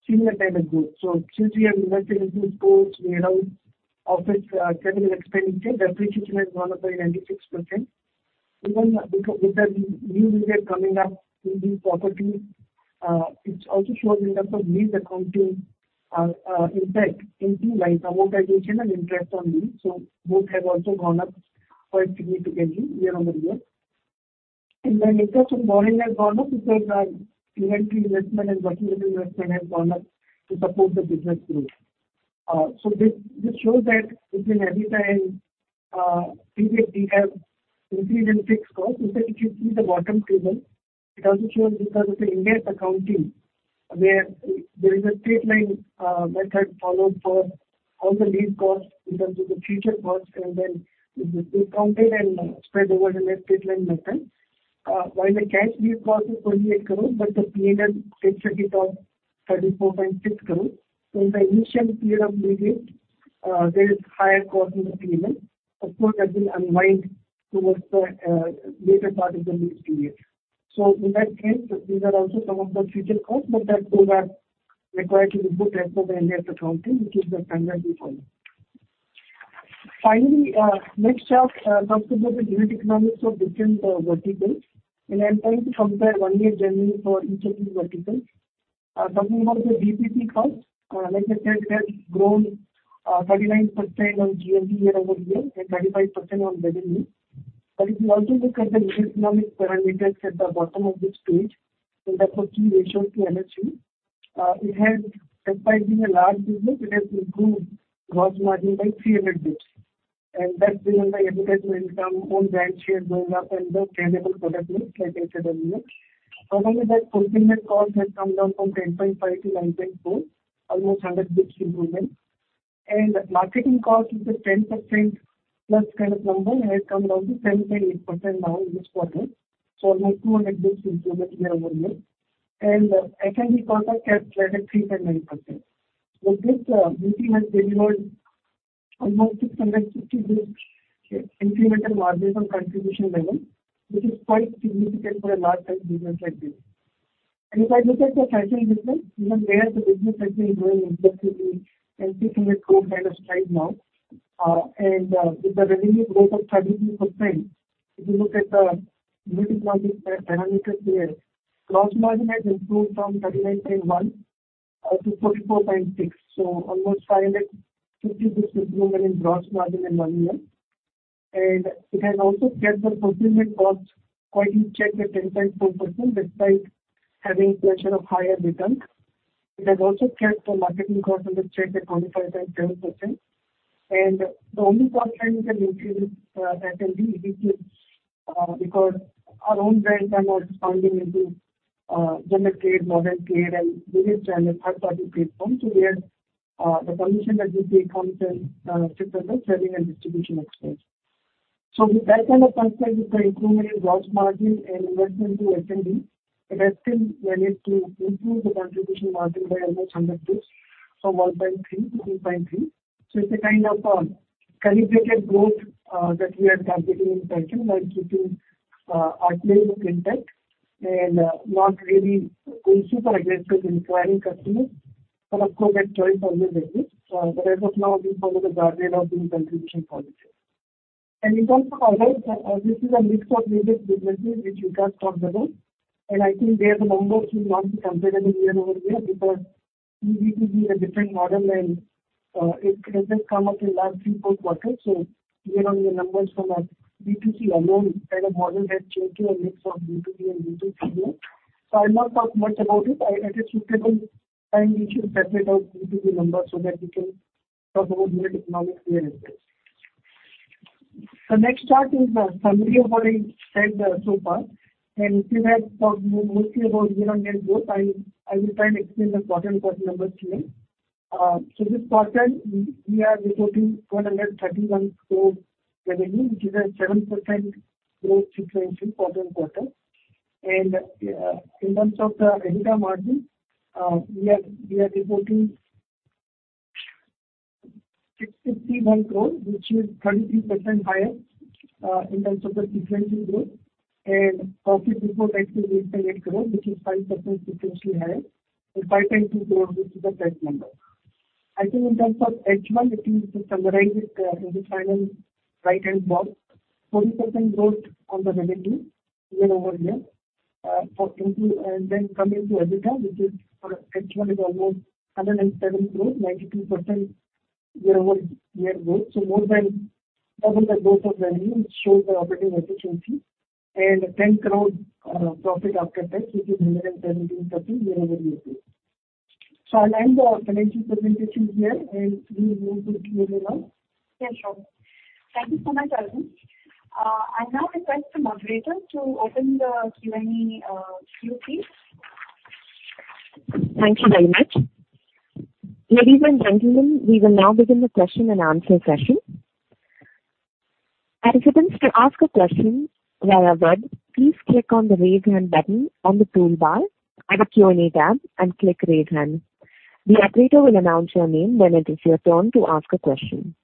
similar kind of growth. Since we have invested into stores, warehouse, office, capital expenditure, depreciation has gone up by 96%. Even with the new leases coming up in these properties, it also shows in terms of lease accounting, impact into lines amortization and interest on lease. Both have also gone up quite significantly year-on-year. Then interest on borrowing has gone up because our inventory investment and working capital investment has gone up to support the business growth. This shows that between every time period we have increase in fixed costs. In fact, if you see the bottom table, it also shows because of the Indian accounting, where there is a straight line method followed for all the lease costs in terms of the future costs and then they counted and spread over the life straight line method. While the cash lease cost is 28 crore, but the P&L takes a hit of 34.6 crore. In the initial period of leasing, there is higher cost in the P&L. Of course, that will unwind towards the later part of the lease period. In that case, these are also some of the future costs, but those are required to be put as per the Indian accounting, which is the standard we follow. Finally, next chart talks about the unit economics of different verticals. I'm trying to compare one year generally for each of these verticals. Talking about the B2B first. Like I said, we have grown 39% on GMV year-over-year and 35% on revenue. If you also look at the unit economic parameters at the bottom of this page, in the take rate to GMV, it has, despite being a large business, improved gross margin by 300 basis points. That's driven by EBITDA to income on brand share going up and the favorable product mix like I said earlier. Similarly, that fulfillment cost has come down from 10.5%-9.4%, almost 100 basis points improvement. Marketing cost is the 10% plus kind of number has come down to 7.8% now in this quarter. Almost 200 bps improvement year-over-year. S&D costs are capped at 3.9%. With this, B2B has delivered almost 650 bps incremental margin on contribution level, which is quite significant for a large size business like this. If I look at the fashion business, even there the business has been growing aggressively and seeking a growth kind of stride now. With the revenue growth of 32%, if you look at the unit economics parameters here, gross margin has improved from 39.1-44.6. Almost 550 basis points improvement in gross margin in one year. It has also kept the fulfillment costs quite in check at 10.4% despite having pressure of higher returns. It has also kept the marketing costs under check at 25.0%. The only cost line which has increased, S&D, which is because our own brands are now expanding into general trade, modern trade, and various channels, third-party platforms. The commission that we pay comes in fifth of the selling and distribution expense. With that kind of perspective, the improvement in gross margin and investment to S&D, we have still managed to improve the contribution margin by almost 100 basis points from 1.3%-2.3%. It's a kind of calibrated growth that we are targeting in perfume and keeping our margins intact and not really going super aggressive in acquiring customers. Of course, at joint partners we did. As of now, being part of the B2B and being contribution positive. In terms of online, this is a mix of new business which we can't talk about. I think there the numbers will not be comparable year-over-year because B2B is a different model and it has come up in last three, four quarters. Year-over-year numbers from a B2C alone kind of model has changed to a mix of B2B and B2C here. I'll not talk much about it. At a suitable time, we should separate out B2B numbers so that we can talk about unit economics there as well. The next chart is a summary of what I said so far. If you have talked mostly about year-on-year growth, I will try and explain the quarter-on-quarter numbers here. This quarter, we are reporting 131 crore revenue, which is a 7% growth sequentially quarter-on-quarter. In terms of the EBITDA margin, we are reporting 65 crore, which is 33% higher in terms of the sequential growth. Profit before tax is 8 crore, which is 5% sequentially higher. Five times is growth is the net number. I think in terms of H1, if we summarize it, in the final right-hand box, 40% growth on the revenue year-over-year for twenty... Coming to EBITDA, which is for H1, is almost 107 crore, 92% year-over-year growth. More than double the growth of revenue, which shows the operating efficiency. 10 crore profit after tax, which is 113% year-over-year growth. I'll end the financial presentation here, and we will move to Q&A now. Yes, sure. Thank you so much, Arvind. I now request the moderator to open the Q&A queue, please. Thank you very much. Ladies and gentlemen, we will now begin the question-and-nswer session. Participants, to ask a question via web, please click on the Raise Hand button on the toolbar at the Q&A tab and click Raise Hand. The operator will announce your name when it is your turn to ask a question.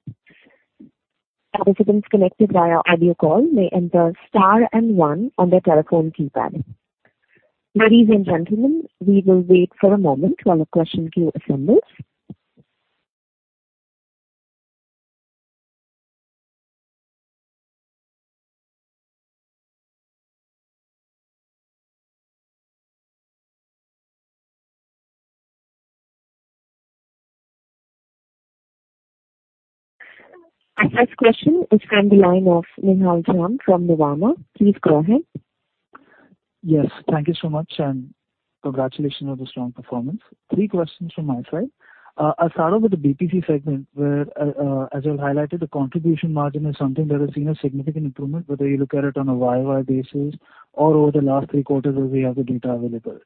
Participants connected via audio call may enter star and one on their telephone keypad. Ladies and gentlemen, we will wait for a moment while the question queue assembles. Our first question is from the line of Nihal Jham from Nuvama. Please go ahead. Yes. Thank you so much, and congratulations on the strong performance. Three questions from my side. I'll start off with the BPC segment, where, as you have highlighted, the contribution margin is something that has seen a significant improvement, whether you look at it on a Y-O-Y basis or over the last three quarters as we have the data available.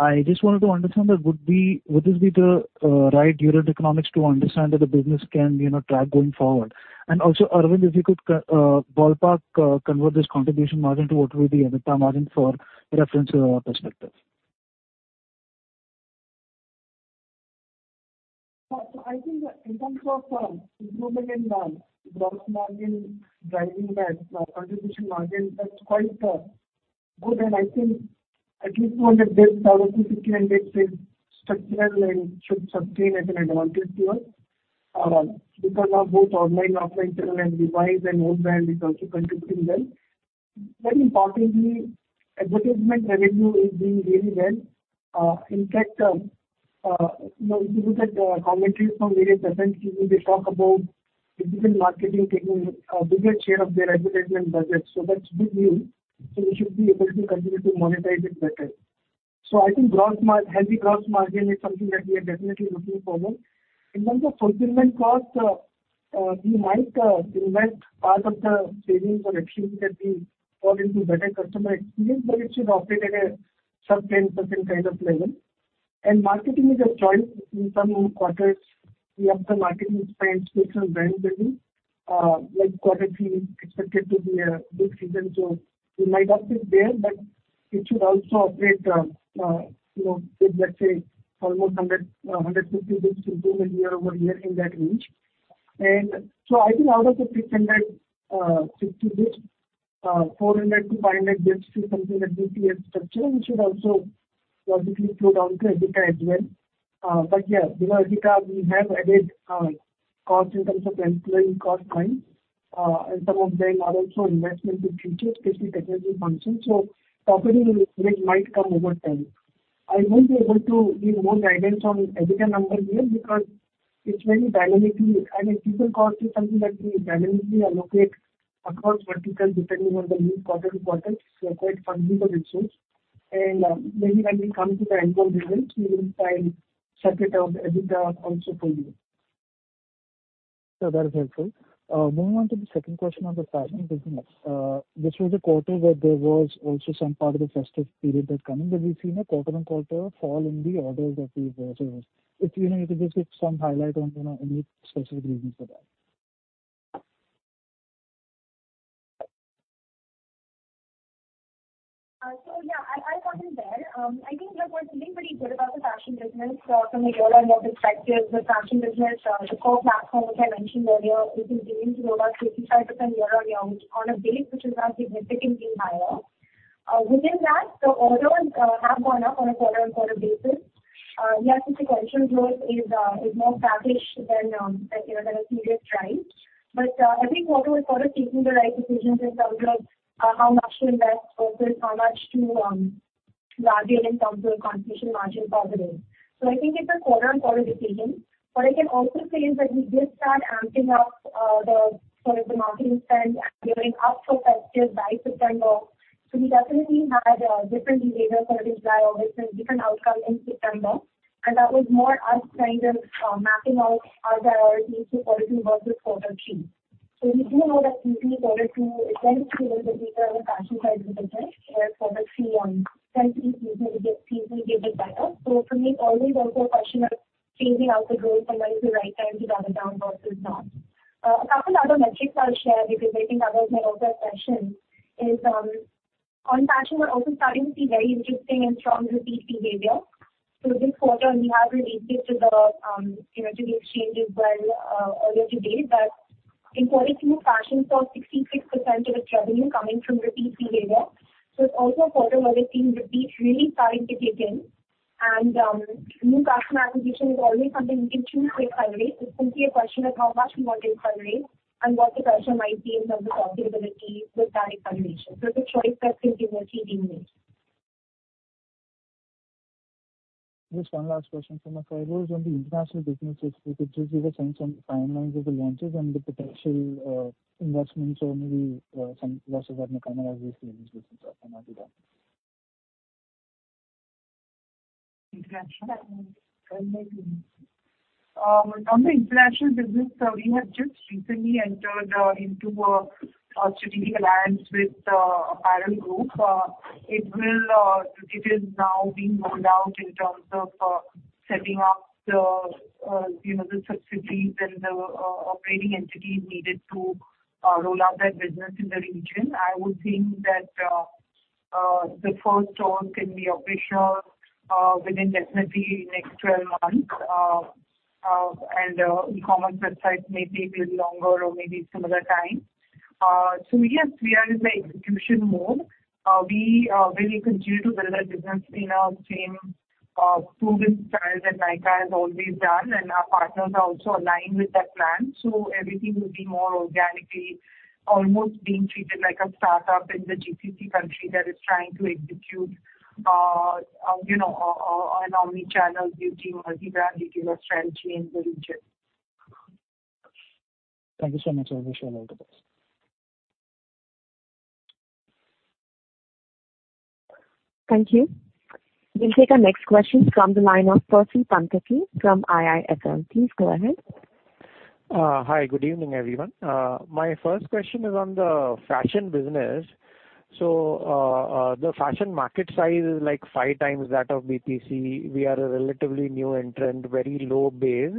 I just wanted to understand that would this be the right unit economics to understand that the business can, you know, track going forward? And also, Arvind, if you could ballpark convert this contribution margin to what would be the EBITDA margin for reference perspective. I think in terms of improvement in gross margin driving that contribution margin, that's quite good. I think at least 200 basis out of the 600 basis structural and should sustain as an advantage to us because of both online, offline channel and device and own brand is also contributing well. Very importantly, advertisement revenue is doing really well. In fact, you know, if you look at commentaries from various agencies, they talk about digital marketing taking a bigger share of their advertisement budget. That's good news. We should be able to continue to monetize it better. I think healthy gross margin is something that we are definitely looking forward. In terms of fulfillment cost, we might invest part of the savings or efficiencies that we channel into better customer experience, but it should operate at a certain percentage kind of level. Marketing is a choice. In some quarters, we up the marketing spends based on brand building. Like quarter we expect to be a big season, so we might up it there. It should also operate, you know, with let's say almost 100-150 basis improvement year-over-year in that range. I think out of the 660 basis, 400-500 basis is something that bps structure, which should also logically flow down to EBITDA as well. Yeah, because EBITDA, we have added cost in terms of employee cost going. Some of them are also investment in future, especially technology functions. Operating leverage might come over time. I won't be able to give more guidance on EBITDA number here because it's very dynamically. I mean, people cost is something that we dynamically allocate across verticals depending on the need quarter to quarter. It's a quite flexible resource. Maybe when we come to the annual results, we will try and separate out EBITDA also for you. That is helpful. Moving on to the second question on the fashion business. This was a quarter where there was also some part of the festive period that's coming. We've seen a quarter-on-quarter fall in the orders that we've received. If, you know, you could just give some highlight on, you know, any specific reasons for that. I bought in there. I think, look, what's been pretty good about the fashion business from a year-on-year perspective, the core platform which I mentioned earlier, which is growing at about 35% year-on-year, which on a base which is now significantly higher. Within that, the orders have gone up on a quarter-on-quarter basis. Yes, the sequential growth is more volatile than, you know, than the organic growth. Every quarter we're sort of taking the right decisions in terms of how much to invest versus how much to leverage in terms of a contribution margin positive. I think it's a quarter-on-quarter decision. What I can also say is that we did start amping up the marketing spend and gearing up for festive by September. We definitely had different behavior for this buyer or different outcome in September. That was more us kind of mapping out our priorities in quarter two versus quarter three. We do know that usually quarter two is when we see the data on the fashion side is the best, whereas quarter three onwards tends to be easier to get seasonally, gives us better. For me, it's always also a question of phasing out the growth and when is the right time to dial it down versus not. A couple other metrics I'll share, because I think that was my other question, is on fashion we're also starting to see very interesting and strong repeat behavior. This quarter, we reported to the exchanges earlier today, but in quarter two, fashion saw 66% of its revenue coming from repeat behavior. It's also a quarter where we're seeing repeat really starting to kick in. New customer acquisition is always something we can choose to accelerate. It's simply a question of how much we want to accelerate and what the pressure might be in terms of profitability with that acceleration. It's a choice that can be worth making. Just one last question from my side was on the international businesses. If you could just give us some timelines of the launches and the potential, investments or maybe, some losses that may come out of these businesses. I'll come out to that. On the international business, we have just recently entered into a strategic alliance with Apparel Group. It is now being rolled out in terms of setting up, you know, the subsidiaries and the operating entities needed to roll out that business in the region. I would think that the first store can be official within definitely next 12 months. E-commerce website may take a little longer or maybe similar time. Yes, we are in the execution mode. We really continue to build our business in the same proven style that Nykaa has always done, and our partners are also aligned with that plan. Everything will be more organically, almost being treated like a startup in the GCC country that is trying to execute, you know, an omnichannel beauty or the brand retailer strategy in the region. Thank you so much. I appreciate all the details. Thank you. We'll take our next question from the line of Percy Panthaki from IIFL. Please go ahead. Hi. Good evening, everyone. My first question is on the fashion business. So, the fashion market size is like five times that of BPC. We are a relatively new entrant, very low base,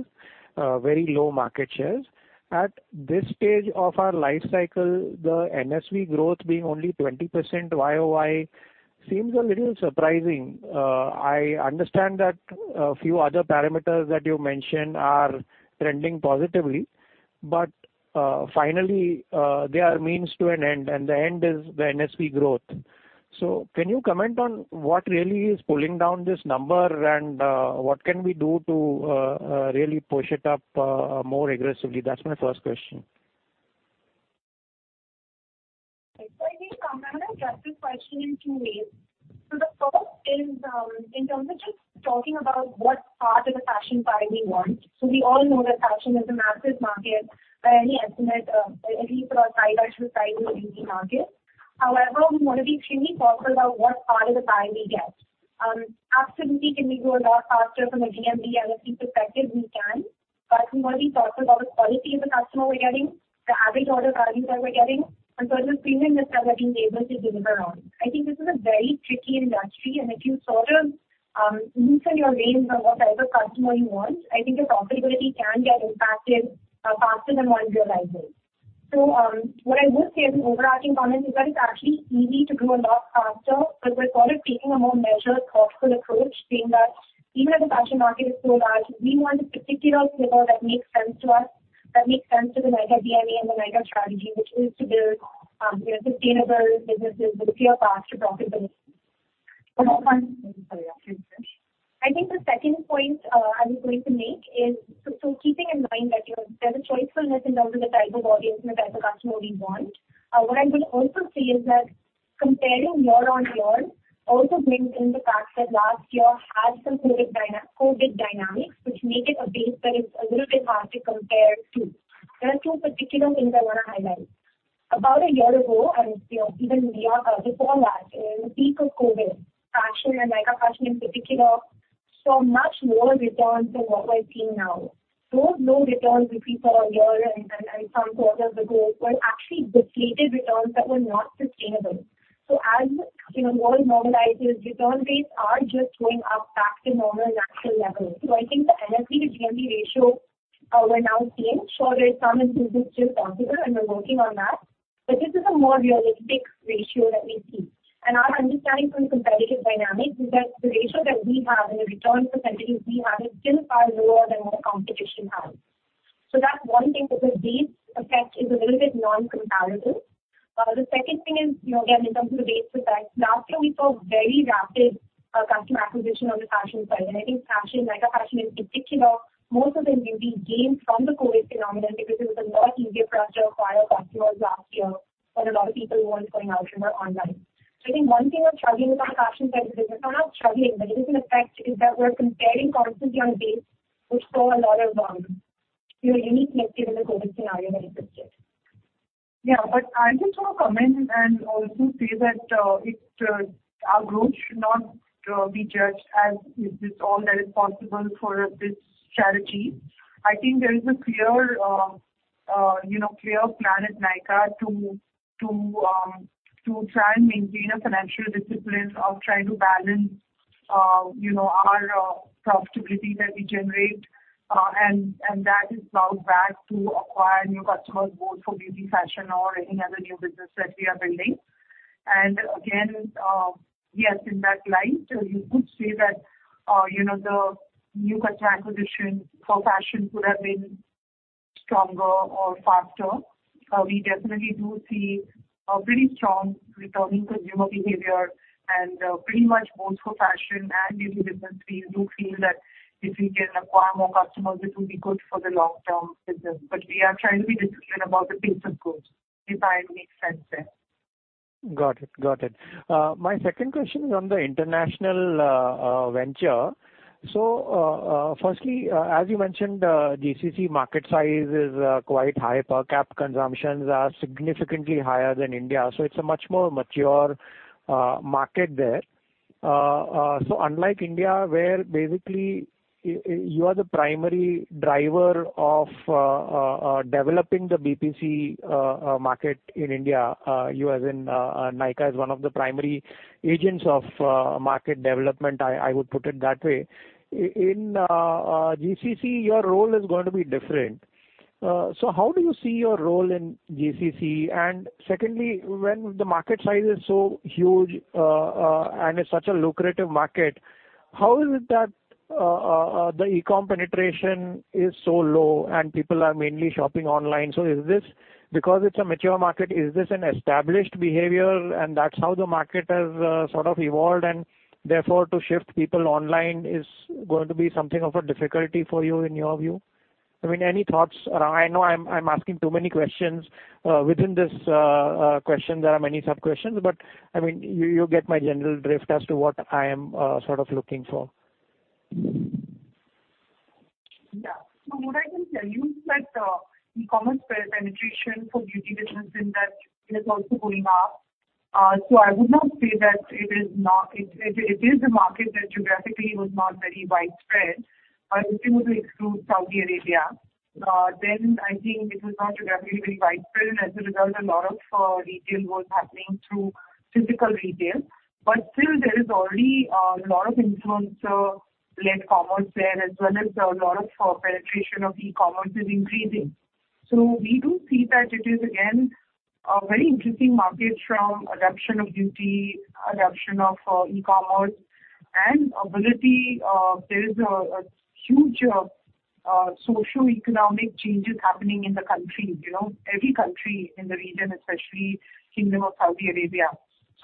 very low market shares. At this stage of our life cycle, the NSV growth being only 20% Y-O-Y seems a little surprising. I understand that a few other parameters that you mentioned are trending positively, but finally, they are means to an end, and the end is the NSV growth. So can you comment on what really is pulling down this number and what can we do to really push it up more aggressively? That's my first question. I think, I'm gonna address this question in two ways. The first is, in terms of just talking about what part of the fashion pie we want. We all know that fashion is a massive market. By any estimate, at least for our size, that's a sizable beauty market. However, we wanna be extremely thoughtful about what pa rt of the pie we get. Absolutely can we grow a lot faster from a GMV NSV perspective? We can. We wanna be thoughtful about the quality of the customer we're getting, the average order values that we're getting, and sort of the premiumness that we're being able to deliver on. I think this is a very tricky industry, and if you sort of, loosen your reins on what type of customer you want, I think your profitability can get impacted, faster than one realizes. What I would say as an overarching comment is that it's actually easy to grow a lot faster, but we're sort of taking a more measured, thoughtful approach, seeing that even if the fashion market is so large, we want a particular flavor that makes sense to us, that makes sense to the Nykaa DNA and the Nykaa strategy, which is to build, you know, sustainable businesses with clear path to profitability. I think the second point I was going to make is. Keeping in mind that, you know, there's a choicefulness in terms of the type of audience and the type of customer we want. What I will also say is that comparing year-on-year also brings in the fact that last year had some COVID dynamics, which make it a base that is a little bit hard to compare to. There are two particular things I wanna highlight. About a year ago, and you know, even before that, in the peak of COVID, fashion and Nykaa Fashion in particular saw much lower returns than what we're seeing now. Those low returns we saw a year and some quarters ago were actually deflated returns that were not sustainable. As you know, world normalizes, return rates are just going up back to normal natural levels. I think the NSV to GMV ratio we're now seeing, sure, there is some improvement which is possible, and we're working on that, but this is a more realistic ratio that we see. Our understanding from competitive dynamics is that the ratio that we have and the return percentages we have is still far lower than what the competition has. That's one thing, because base effect is a little bit non-comparable. The second thing is, you know, again, in terms of base effect, last year we saw very rapid customer acquisition on the fashion side. I think fashion, Nykaa Fashion in particular, most of the new wins gained from the COVID phenomenon, because it was a lot easier for us to acquire customers last year when a lot of people weren't going out and were online. I think one thing we're struggling with on the fashion side of the business. Not struggling, but it is an effect is that we're comparing constant Y-O-Y base, which saw a lot of, you know, unique uplift in the COVID scenario than expected. Yeah. I just want to comment and also say that our growth should not be judged as if this all that is possible for this strategy. I think there is a clear you know clear plan at Nykaa to try and maintain a financial discipline of trying to balance you know our profitability that we generate. That is plowed back to acquire new customers, both for B2C fashion or any other new business that we are building. Again, yes, in that light, you could say that you know the new customer acquisition for fashion could have been stronger or faster. We definitely do see a pretty strong returning consumer behavior and pretty much both for fashion and B2B business, we do feel that if we can acquire more customers, it will be good for the long-term business, but we are trying to be disciplined about the pace of growth if I make sense there. Got it. My second question is on the international venture. Firstly, as you mentioned, GCC market size is quite high. Per cap consumptions are significantly higher than India, so it's a much more mature market there. Unlike India, where basically you are the primary driver of developing the BPC market in India, you as in Nykaa is one of the primary agents of market development. I would put it that way. In GCC, your role is going to be different. How do you see your role in GCC? Secondly, when the market size is so huge, and it's such a lucrative market, how is it that the e-com penetration is so low and people are mainly shopping online? Is this because it's a mature market, is this an established behavior, and that's how the market has sort of evolved, and therefore to shift people online is going to be something of a difficulty for you, in your view? I mean, any thoughts around. I know I'm asking too many questions. Within this question there are many sub-questions, but I mean, you get my general drift as to what I am sort of looking for. Yeah. What I can tell you is that, e-commerce penetration for beauty business in that is also going up. I would not say that it is not. It is a market that geographically was not very widespread. If you were to exclude Saudi Arabia, then I think it was not geographically very widespread, and as a result, a lot of retail was happening through physical retail. Still there is already a lot of influencer-led commerce there, as well as a lot of penetration of e-commerce is increasing. We do see that it is again a very interesting market from adoption of beauty, adoption of e-commerce and ability. There is a huge socioeconomic changes happening in the country, you know, every country in the region, especially Kingdom of Saudi Arabia.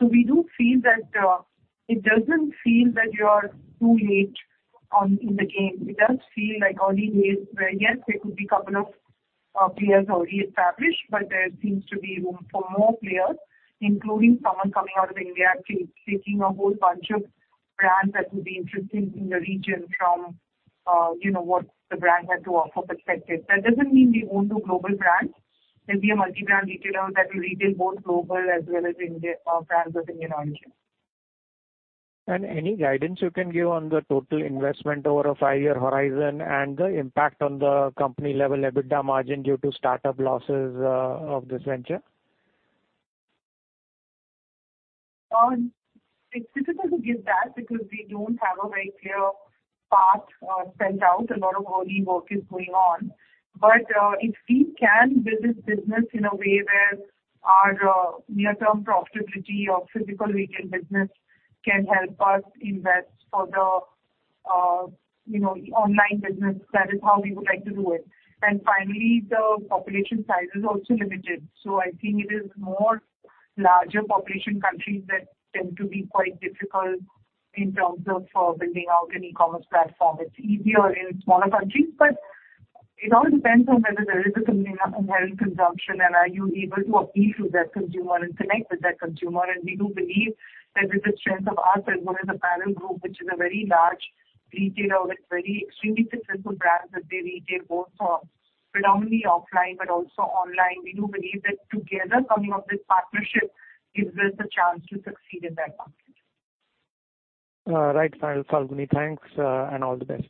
We do feel that it doesn't feel that you are too late in the game. It does feel like early days where, yes, there could be couple of players already established, but there seems to be room for more players, including someone coming out of India taking a whole bunch of brands that would be interesting in the region from, you know, what the brand has to offer perspective. That doesn't mean we won't do global brands. We'll be a multi-brand retailer that will retail both global as well as Indian brands with Indian origin. Any guidance you can give on the total investment over a five-year horizon and the impact on the company level EBITDA margin due to startup losses of this venture? It's difficult to give that because we don't have a very clear path spelled out. A lot of early work is going on. If we can build this business in a way where our near-term profitability of physical retail business can help us invest for the, you know, online business, that is how we would like to do it. Finally, the population size is also limited. I think it is more larger population countries that tend to be quite difficult in terms of building out an e-commerce platform. It's easier in smaller countries, but it all depends on whether there is a consumer and healthy consumption and are you able to appeal to that consumer and connect with that consumer. We do believe that is the strength of our segment as a parent group, which is a very large retail with very extremely successful brands that they retail both for predominantly offline but also online. We do believe that together coming of this partnership gives us a chance to succeed in that market. Right, Falguni. Thanks, and all the best.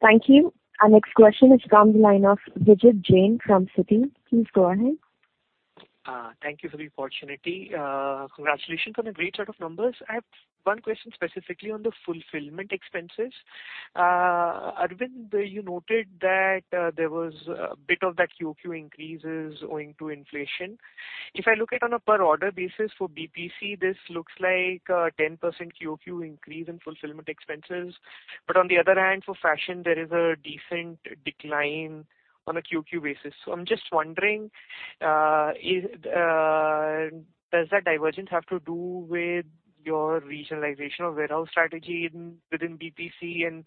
Thank you. Our next question is from the line of Vijit Jain from Citi. Please go ahead. Thank you for the opportunity. Congratulations on a great set of numbers. I have one question specifically on the fulfillment expenses. Arvind, you noted that there was a bit of that Q-O-Q increase owing to inflation. If I look at on a per order basis for BPC, this looks like a 10% Q-O-Q increase in fulfillment expenses. But on the other hand, for fashion, there is a decent decline on a Q-O-Q basis. I'm just wondering, does that divergence have to do with your regionalization of warehouse strategy within BPC and,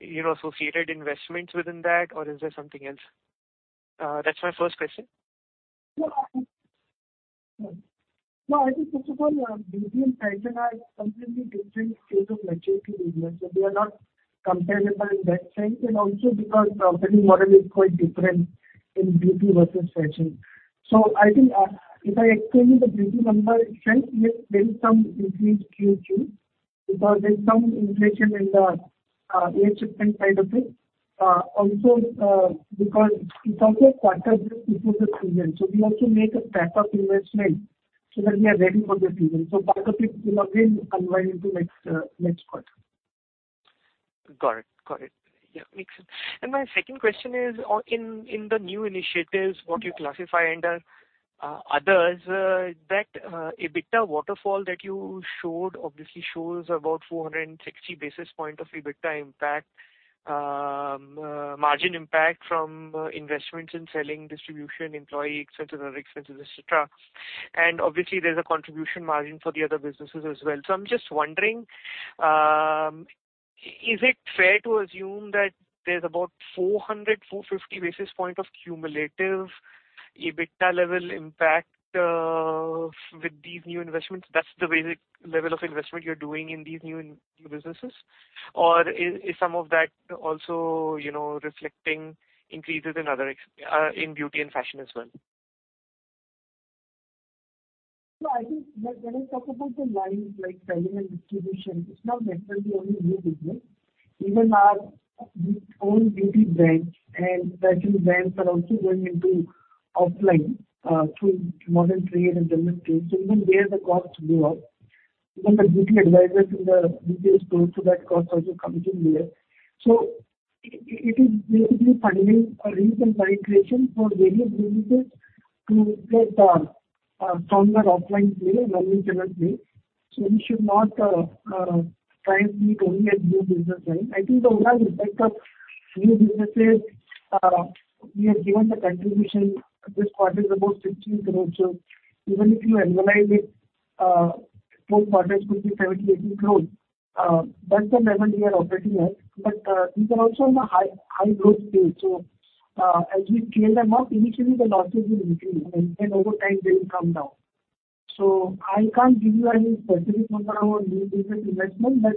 you know, associated investments within that, or is there something else? That's my first question. No, I think first of all, BPC and Titan are completely different scale of maturity business. They are not comparable in that sense, and also because the operating model is quite different in BPC versus fashion. I think, if I explain to you the BPC number itself, yes, there is some increase Q-O-Q because there's some inflation in the air shipment side of it. Also, because it's also a quarter just before the season, so we also make a backup investment so that we are ready for the season. Part of it will again unwind into next quarter. Got it. Yeah, makes sense. My second question is on in the new initiatives what you classify under others that EBITDA waterfall that you showed obviously shows about 460 basis point of EBITDA impact margin impact from investments in selling, distribution, employee, et cetera, other expenses, et cetera. Obviously, there's a contribution margin for the other businesses as well. I'm just wondering is it fair to assume that there's about 400-450 basis point of cumulative EBITDA level impact with these new investments? That's the basic level of investment you're doing in these new businesses? Or is some of that also, you know, reflecting increases in other in beauty and fashion as well? No, I think when we talk about the lines like selling and distribution, it's not necessarily only new business. Even our own beauty brands and fashion brands are also going into offline through modern trade and general trade, so even there the costs go up. Even the beauty advisors in the BPC stores, so that cost also comes in there. It is basically funding a recent migration for various businesses to replace the stronger offline player, running channel player. We should not try and see only a new business line. I think the overall impact of new businesses we have given the contribution this quarter is about 16 crore. Even if you annualize it, four quarters could be 78 crore. That's the level we are operating at. These are also on a high-growth stage. As we scale them up, initially the losses will increase and then over time they will come down. I can't give you any specific number on new business investment, but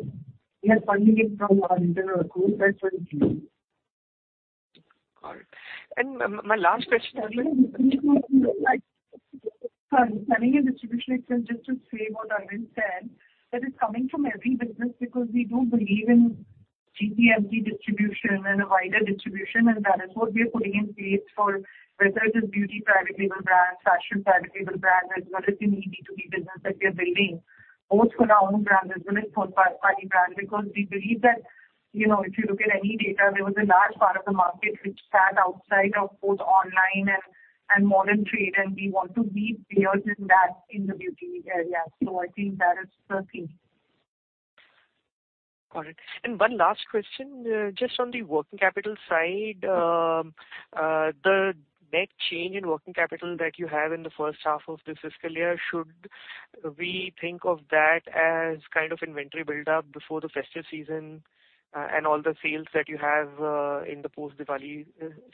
we are funding it from our internal accruals. That's what it is. Got it. My last question. Sorry. Funding and distribution, it's just to say what Arvind said, that it's coming from every business because we do believe in GPMP distribution and a wider distribution, and that is what we are putting in place for whether it is beauty private label brands, fashion private label brands, as well as the B2B business that we are building, both for our own brand as well as for partner brands. Because we believe that, you know, if you look at any data, there was a large part of the market which sat outside of both online and modern trade, and we want to be players in that, in the beauty area. I think that is the theme. Got it. One last question, just on the working capital side, the net change in working capital that you have in the first half of this fiscal year, should we think of that as kind of inventory build-up before the festive season, and all the sales that you have, in the post-Diwali,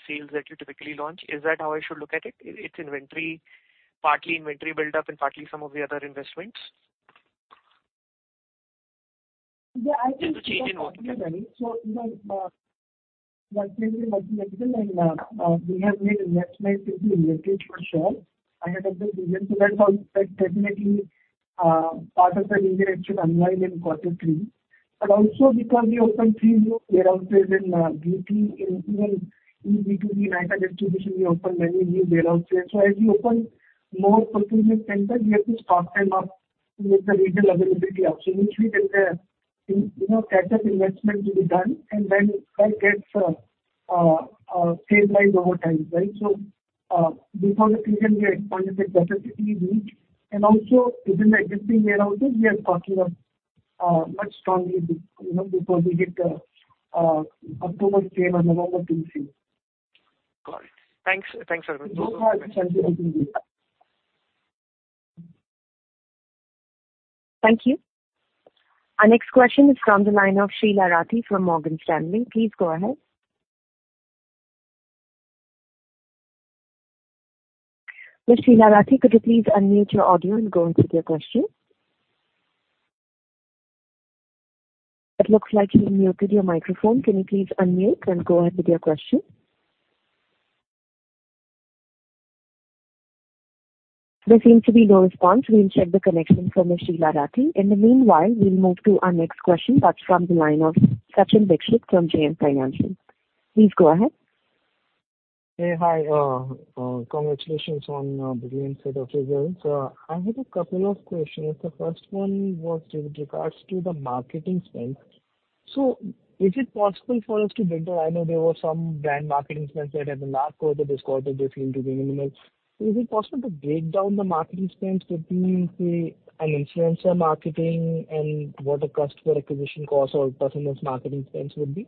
sales that you typically launch? Is that how I should look at it? It's inventory, partly inventory build-up and partly some of the other investments? Yeah, I think. In the change in working capital. You know, working capital is much flexible and we have made investments into inventory for sure ahead of the season. That's also definitely part of the reason it should unwind in quarter three. Also because we opened three new warehouses in beauty and even in B2B Nykaa Distribution, we opened many new warehouses. As we open more procurement centers, we have to stock them up to make the regional availability up. Initially there, you know, catch-up investment to be done and then that gets stabilized over time. Right? Before the season we are expecting better Q3 WC. Also within the existing warehouses, we are stocking up much strongly, you know, before we hit October sale or November sale. Got it. Thanks. Thanks, Arvind. No problem. Thank you. Thank you. Our next question is from the line of Sheela Rathi from Morgan Stanley. Please go ahead. Ms. Sheela Rathi, could you please unmute your audio and go into your question. It looks like you've muted your microphone. Can you please unmute and go ahead with your question? There seems to be no response. We'll check the connection for Ms. Sheela Rathi. In the meanwhile, we'll move to our next question. That's from the line of Sachin Dixit from JM Financial. Please go ahead. Hey. Hi, congratulations on the recent set of results. I had a couple of questions. The first one was with regards to the marketing spend. I know there were some brand marketing spends that had been marked over this quarter, which seemed to be minimal. Is it possible to break down the marketing spends between, say, an influencer marketing and what a customer acquisition cost or performance marketing spends would be?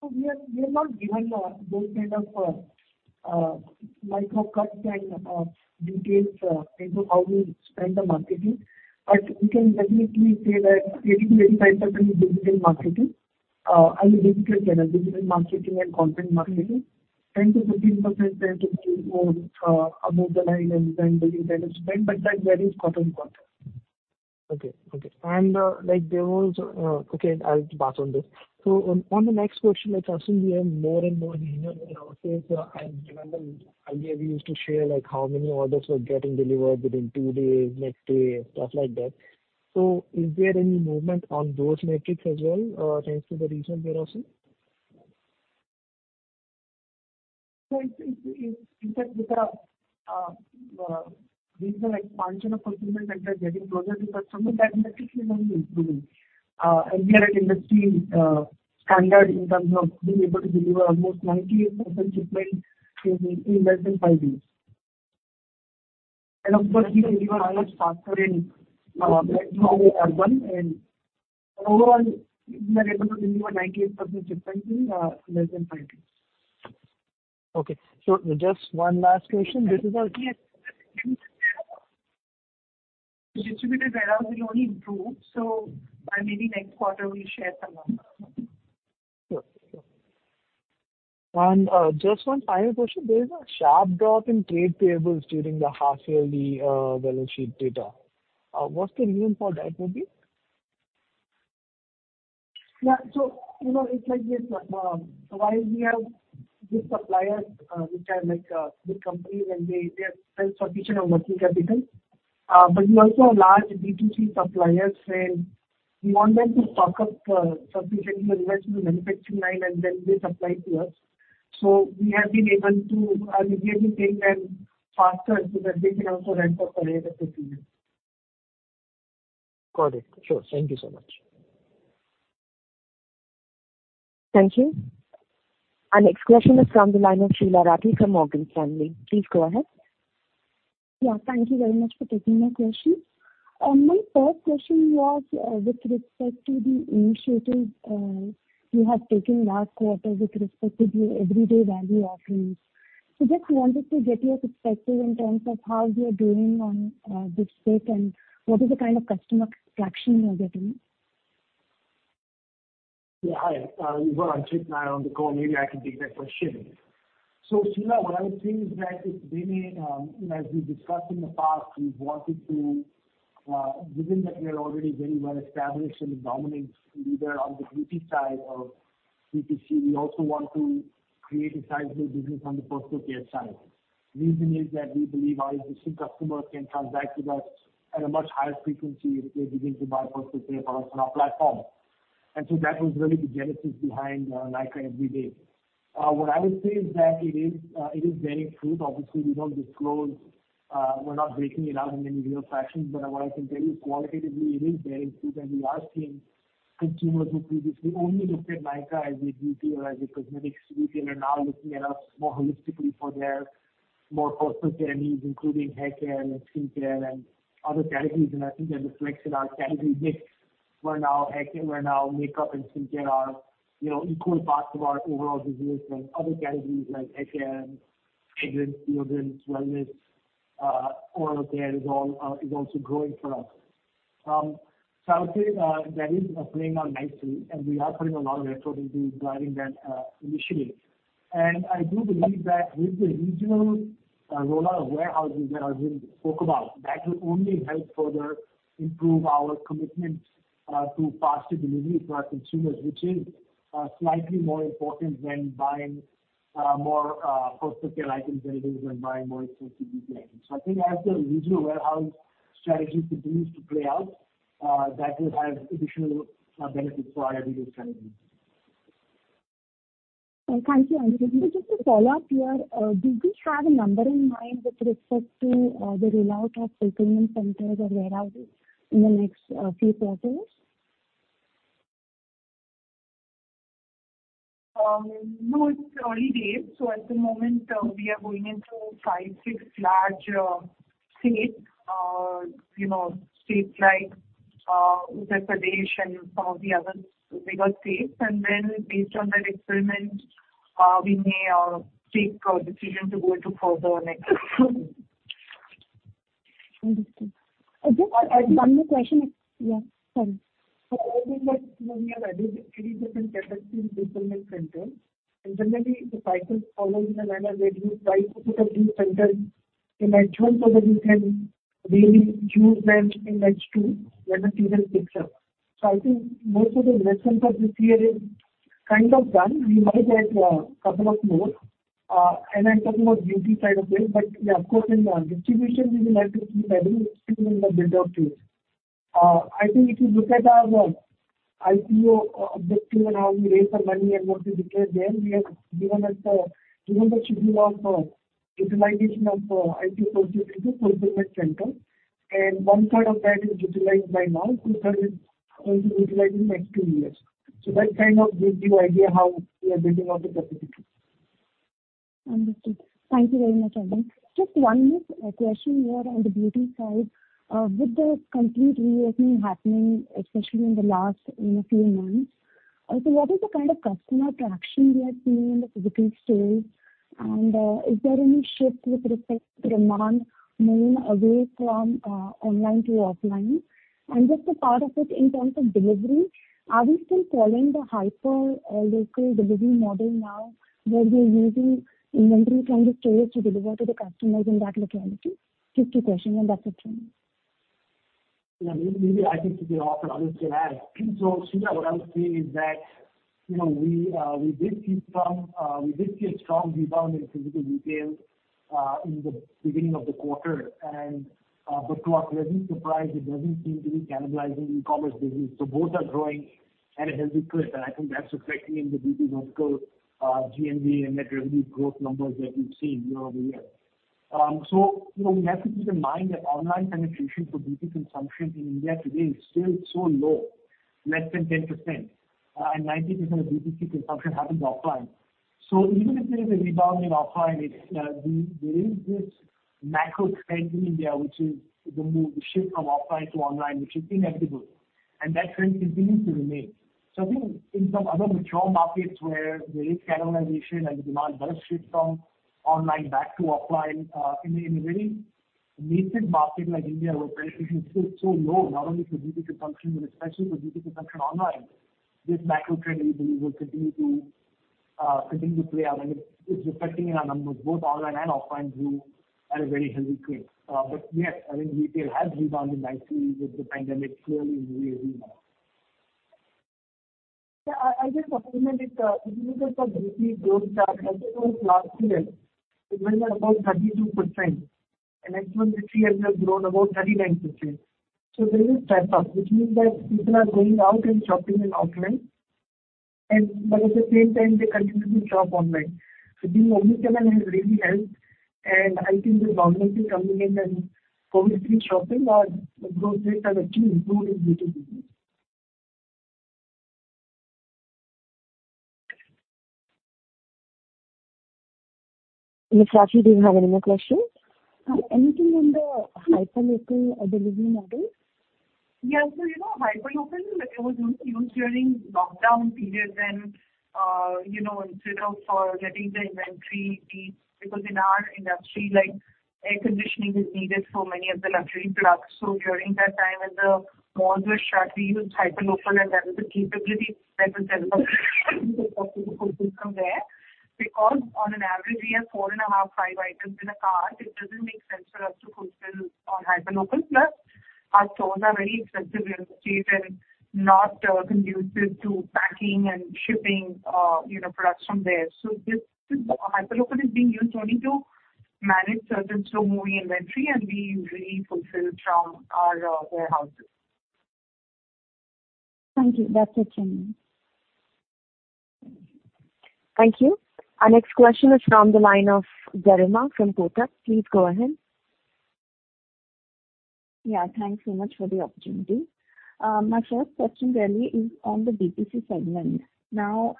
We are not giving those kind of micro cuts and details into how we spend the marketing. We can definitely say that 80%-85% is digital marketing, I mean digital channel, digital marketing and content marketing. 10%-15% tend to be more above the line and brand building kind of spend, but that varies quarter to quarter. Okay. Okay. I'll pass on this. On the next question, like, Sachin, we have more and more regional warehouses. I remember earlier we used to share, like, how many orders were getting delivered within two days, next day and stuff like that. Is there any movement on those metrics as well, thanks to the regional warehouses? In fact, with the, like, function of fulfillment centers getting closer to customers, that metric is only improving, and we are at industry standard in terms of being able to deliver almost 98% shipments in less than five days. Of course we deliver a lot faster in like metro urban and overall we've been able to deliver 98% shipments in less than five days. Okay. Just one last question. Yes. Distributed warehouses will only improve, so by maybe next quarter we'll share some numbers. Sure. Just one final question. There is a sharp drop in trade payables during the half yearly balance sheet data. What's the reason for that maybe? Yeah. You know, it's like this, while we have good suppliers, which are like big companies and they are friends for efficient and working capital. We also have large B2C suppliers, and we want them to stock up, sufficiently invest in the manufacturing line and then they supply to us. We have been able to really pay them faster so that they can also ramp up their inventory. Got it. Sure. Thank you so much. Thank you. Our next question is from the line of Sheela Rathi from Morgan Stanley. Please go ahead. Yeah, thank you very much for taking my question. My first question was with respect to the initiatives you have taken last quarter with respect to the Everyday Value offerings. Just wanted to get your perspective in terms of how you are doing on this front, and what is the kind of customer traction you are getting? Hi, well, I'm Vishal on the call, maybe I can take that question. Sheela, what I would say is that it's been as we discussed in the past, we've wanted to given that we are already very well established and a dominant leader on the beauty side of B2C, we also want to create a sizable business on the personal care side. Reason is that we believe our existing customers can transact with us at a much higher frequency if they begin to buy personal care products on our platform. That was really the genesis behind Nykaa Everyday. What I would say is that it is bearing fruit. Obviously, we don't disclose, we're not breaking it out in any real fashion. What I can tell you qualitatively, it is bearing fruit, and we are seeing consumers who previously only looked at Nykaa as a beauty or as a cosmetics retailer now looking at us more holistically for their more personal care needs, including haircare and skincare and other categories. I think that reflects in our category mix, where now makeup and skincare are, you know, equal parts of our overall business and other categories like haircare and fragrance, deodorant, wellness, oral care is also growing for us. I would say that is playing out nicely, and we are putting a lot of effort into driving that initiative. I do believe that with the regional rollout of warehouses that Arvind spoke about, that will only help further improve our commitment to faster delivery for our consumers, which is slightly more important when buying more personal care items than it is when buying more expensive beauty items. I think as the regional warehouse strategy continues to play out, that will have additional benefits for our Everyday strategy. Thank you. Just a follow-up here. Do we have a number in mind with respect to the rollout of fulfillment centers or warehouses in the next few quarters? No, it's early days. At the moment, we are going into five, six large states. You know, states like Uttar Pradesh and some of the other bigger states. Then based on that experiment, we may take a decision to go into further next states. Understood. Just one more question. Yeah, sorry. I think that we have added three different capacity fulfillment centers. Generally the cycle follows in a manner where you try to put up these centers in H1 so that you can really use them in H2 when the season picks up. I think most of the investment for this year is kind of done. We might add a couple of more, and I'm talking about beauty side of things. Yeah, of course, in distribution we will have to keep adding even in the build out phase. I think if you look at our IPO objective and how we raised the money and what we declared there, we have given the schedule of utilization of IPO proceeds into fulfillment centers. One third of that is utilized by now, 2/3 is going to be utilized in next two years. That kind of gives you idea how we are building out the capacity. Understood. Thank you very much, Arvind Agarwal. Just one more question here on the beauty side. With the complete reopening happening, especially in the last, you know, few months, what is the kind of customer traction we are seeing in the physical stores? And, is there any shift with respect to demand moving away from, online to offline? And just a part of it in terms of delivery, are we still calling the hyperlocal delivery model now where we're using inventory from the stores to deliver to the customers in that locality? Just a question, and that's it from me. Maybe I think to be honest and others can add. Sheela, what I would say is that, you know, we did see a strong rebound in physical retail in the beginning of the quarter. But to our pleasant surprise, it doesn't seem to be cannibalizing e-commerce business. Both are growing at a healthy clip, and I think that's reflecting in the beauty vertical GMV and net revenue growth numbers that you've seen year-over-year. You know, we have to keep in mind that online penetration for beauty consumption in India today is still so low, less than 10%. 90% of beauty consumption happens offline. Even if there is a rebound in offline, there is this macro trend in India, which is the move, the shift from offline to online, which is inevitable, and that trend continues to remain. I think in some other mature markets where there is cannibalization and the demand does shift from online back to offline, in a very nascent market like India, where penetration is still so low, not only for beauty consumption, but especially for beauty consumption online, this macro trend, we believe, will continue to play out. It's reflecting in our numbers, both online and offline grew at a very healthy clip. Yes, I think retail has rebounded nicely with the pandemic clearly easing now. I'll just supplement it. If you look at the beauty growth chart, I think over last year it went up about 32%. This year we have grown about 39%. There is catch-up, which means that people are going out and shopping in offline, but at the same time they continue to shop online. I think omnichannel has really helped. I think with government is coming in and COVID-free shopping, our growth rates have actually improved in beauty business. Miss Rathi, do you have any more questions? Anything on the hyperlocal delivery model? Yeah. You know, hyperlocal, like, it was used during lockdown period when you know, instead of getting the inventory, because in our industry, like, air conditioning is needed for many of the luxury products. During that time when the malls were shut, we used hyperlocal, and that was a capability that was available to fulfill from there. Because on average we have 4.5 items in a cart, it doesn't make sense for us to fulfill on hyperlocal. Plus our stores are very extensively located and not conducive to packing and shipping, you know, products from there. This hyperlocal is being used only to manage certain slow-moving inventory, and we really fulfill from our warehouses. Thank you. That's it from me. Thank you. Our next question is from the line of Garima from Kotak. Please go ahead. Thanks so much for the opportunity. My first question really is on the B2C segment. Now,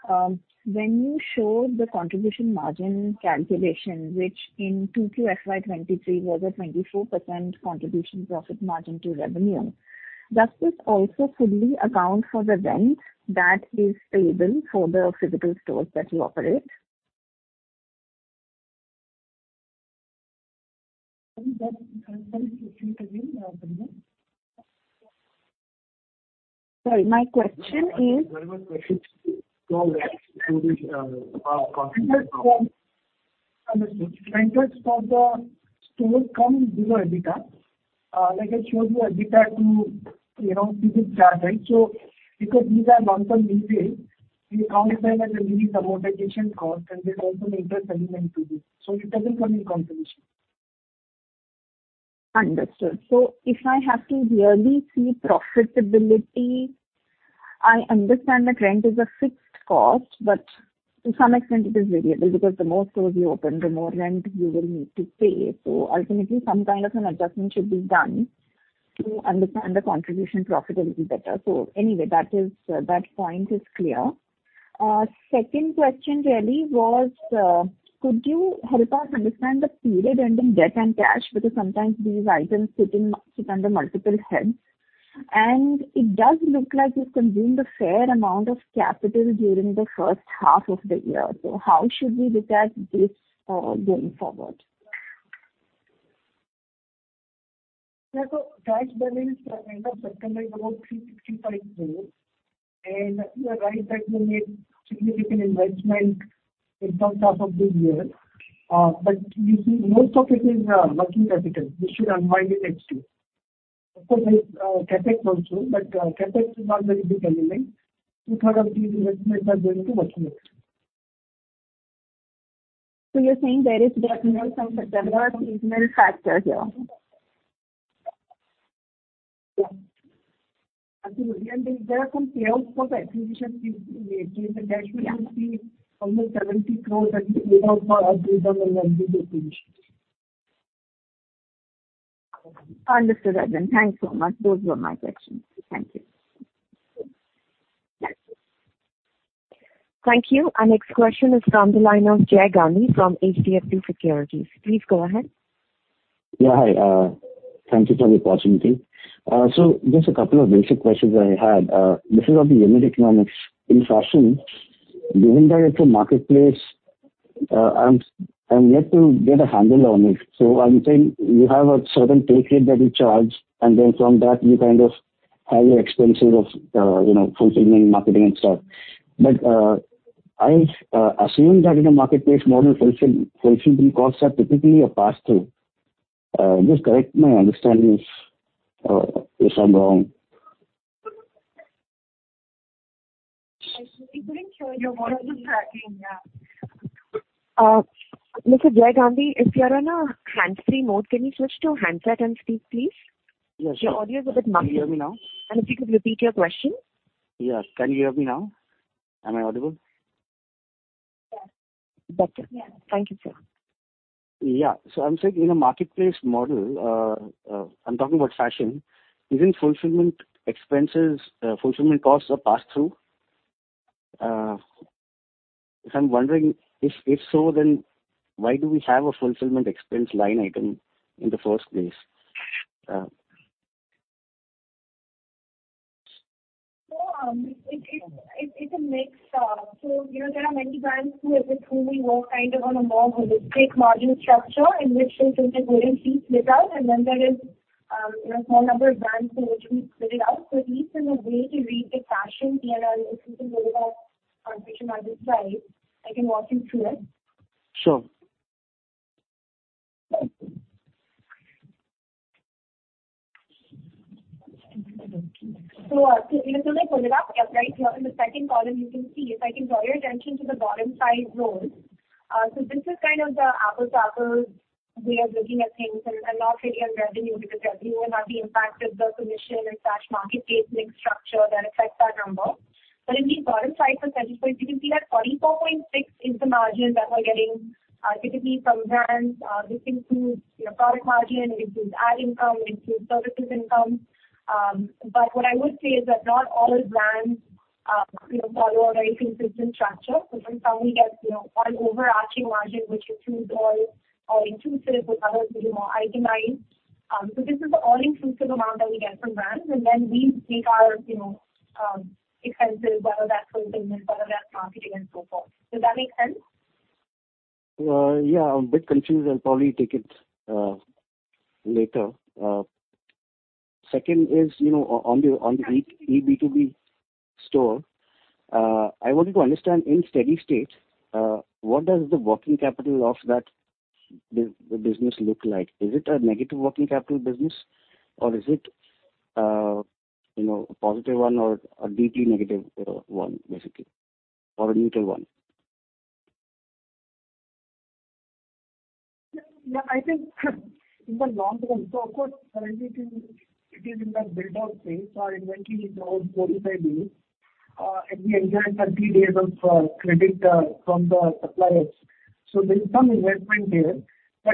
when you showed the contribution margin calculation, which in 2Q FY 2023 was a 24% contribution profit margin to revenue, does this also fully account for the rent that is payable for the physical stores that you operate? Can you just repeat again the question? Sorry, my question is. Garima's question is progress to the contribution- Understood. Rents for the stores come below EBITDA. Like I showed you EBITDA too, you know, EBITDA. Because these are long-term leases, we count them as a linear amortization cost, and there's also an interest element to this, so it doesn't come in contribution. Understood. If I have to really see profitability, I understand that rent is a fixed cost, but to some extent it is variable because the more stores you open, the more rent you will need to pay. Ultimately some kind of an adjustment should be done to understand the contribution profitability better. Anyway, that is, that point is clear. Second question really was, could you help us understand the period ending debt and cash? Because sometimes these items sit under multiple heads. It does look like you've consumed a fair amount of capital during the first half of the year. How should we look at this going forward? Yeah. Cash balance at end of September is about 355 million. You are right that we made significant investments in first half of this year. You see most of it is working capital. This should unwind in next year. Of course, there is CapEx also, but CapEx is not very big element. Two-thirds of these investments are going to working capital. You're saying there are some seasonal factors here. Yeah. There are some payoffs for acquisition fees we gave. The dashboard you'll see almost INR 70 crore that we paid out for Acuva and Unbiz acquisitions. Understood, Arvind Agarwal. Thanks so much. Those were my questions. Thank you. Thanks. Thank you. Our next question is from the line of Jay Gandhi from HDFC Securities. Please go ahead. Yeah. Hi, thank you for the opportunity. Just a couple of basic questions I had. This is on the unit economics. In fashion, given that it's a marketplace, I'm yet to get a handle on it. I'm saying you have a certain take rate that you charge, and then from that you kind of have your expenses of, you know, fulfilling, marketing and stuff. I assume that in a marketplace model, fulfillment costs are typically a passthrough. Just correct my understanding if I'm wrong. Actually we couldn't hear you. Your voice is cracking. Yeah. Mr. Jay Gandhi, if you're on a hands-free mode, can you switch to handset and speak, please? Yes, sure. Your audio is a bit muffled. Can you hear me now? If you could repeat your question. Yes. Can you hear me now? Am I audible? Yes. Better. Yeah. Thank you, sir. Yeah. I'm saying in a marketplace model, I'm talking about fashion, isn't fulfillment expenses, fulfillment costs are passed through? I'm wondering if so, then why do we have a fulfillment expense line item in the first place? It's a mixed. You know, there are many brands who, with whom we work kind of on a more holistic margin structure in which the fulfillment fees split out, and then there is, you know, small number of brands in which we split it out. It needs some way to read the fashion P&L. If you can go to that presentation on this slide, I can walk you through it. Sure. Let me pull it up. Yeah, right here in the second column you can see, if I can draw your attention to the bottom five rows. This is kind of the apples-to-apples way of looking at things and not really on revenue, because revenue will now be impacted by the commission and such marketplace mix structure that affects that number. But in these bottom five percentages, you can see that 44.6% is the margin that we're getting, typically from brands. This includes, you know, product margin, it includes ad income, it includes services income. But what I would say is that not all brands, you know, follow a very consistent structure. From some we get, you know, one overarching margin which includes all inclusives. With others it is more itemized. This is the all-inclusive amount that we get from brands, and then we make our, you know, expenses, whether that's fulfillment, whether that's marketing and so forth. Does that make sense? I'm a bit confused. I'll probably take it later. Second is, you know, on the eB2B store, I wanted to understand in steady state, what does the working capital of that business look like? Is it a negative working capital business or is it, you know, a positive one or a deeply negative one basically, or a neutral one? I think in the long run, of course currently it is in that build out phase. Our inventory is around 45 million, and we enjoy 30 days of credit from the suppliers. There's some investment there.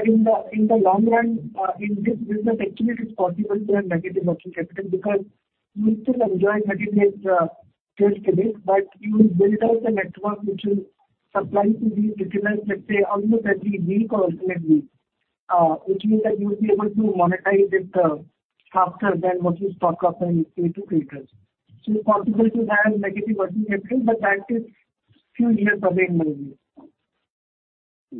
In the long run, in this business actually it is possible to have negative working capital because you still enjoy negative trade credit, but you build out a network which will supply to these retailers, let's say almost every week or alternate week, which means that you'll be able to monetize it faster than what you stock up and pay to retailers. It's possible to have negative working capital, but that is few years away in my view.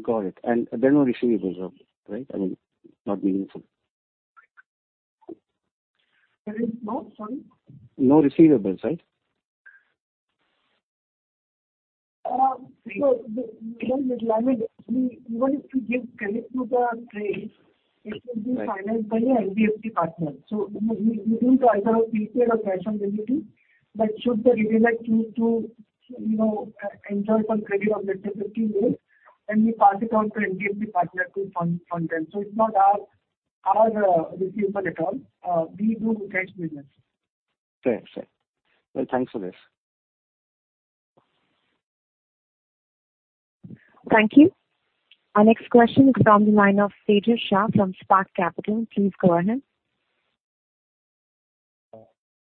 Got it. There are no receivables, right? I mean, not meaningful. Sorry? No receivables, right? I mean, even if we give credit to the trades, it will be financed by the NBFC partner. We do the order of prepaid or cash on delivery. Should the retailer choose to, you know, enjoy some credit of let's say 15 days, then we pass it on to NBFC partner to fund them. It's not our receivable at all. We do cash business. Fair. Well, thanks for this. Thank you. Our next question is from the line of Tejas Shah from Spark Capital. Please go ahead.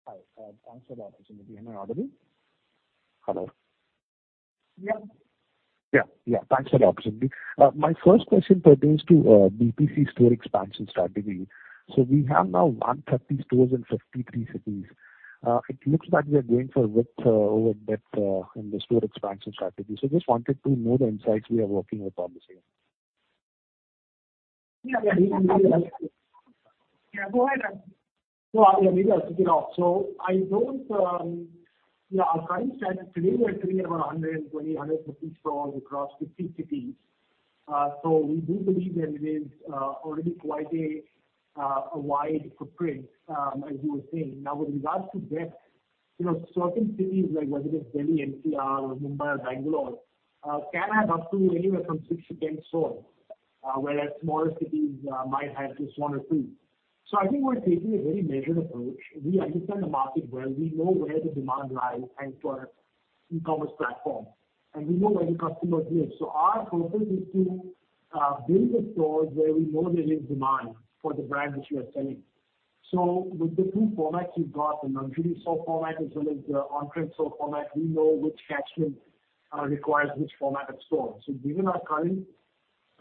Hi. Thanks for the opportunity. Am I audible? Hello? Yeah. Yeah, yeah. Thanks for the opportunity. My first question pertains to BPC store expansion strategy. We have now 130 stores in 53 cities. It looks like we are going for width over depth in the store expansion strategy. Just wanted to know the insights we are working with on the same. Yeah. Yeah, go ahead. Maybe I'll kick it off. Yeah, our current status, today we are sitting at 120-150 stores across 50 cities. We do believe that it is already quite a wide footprint, as you were saying. Now, with regards to depth, you know, certain cities like whether it's Delhi, NCR or Mumbai or Bangalore can have up to anywhere from six to 10 stores, whereas smaller cities might have just one or two. I think we're taking a very measured approach. We understand the market well. We know where the demand lies, thanks to our e-commerce platform, and we know where the customers live. Our focus is to build the stores where we know there is demand for the brand which we are selling. With the two formats we've got, the non-beauty store format as well as the on-trend store format, we know which catchment requires which format of stores.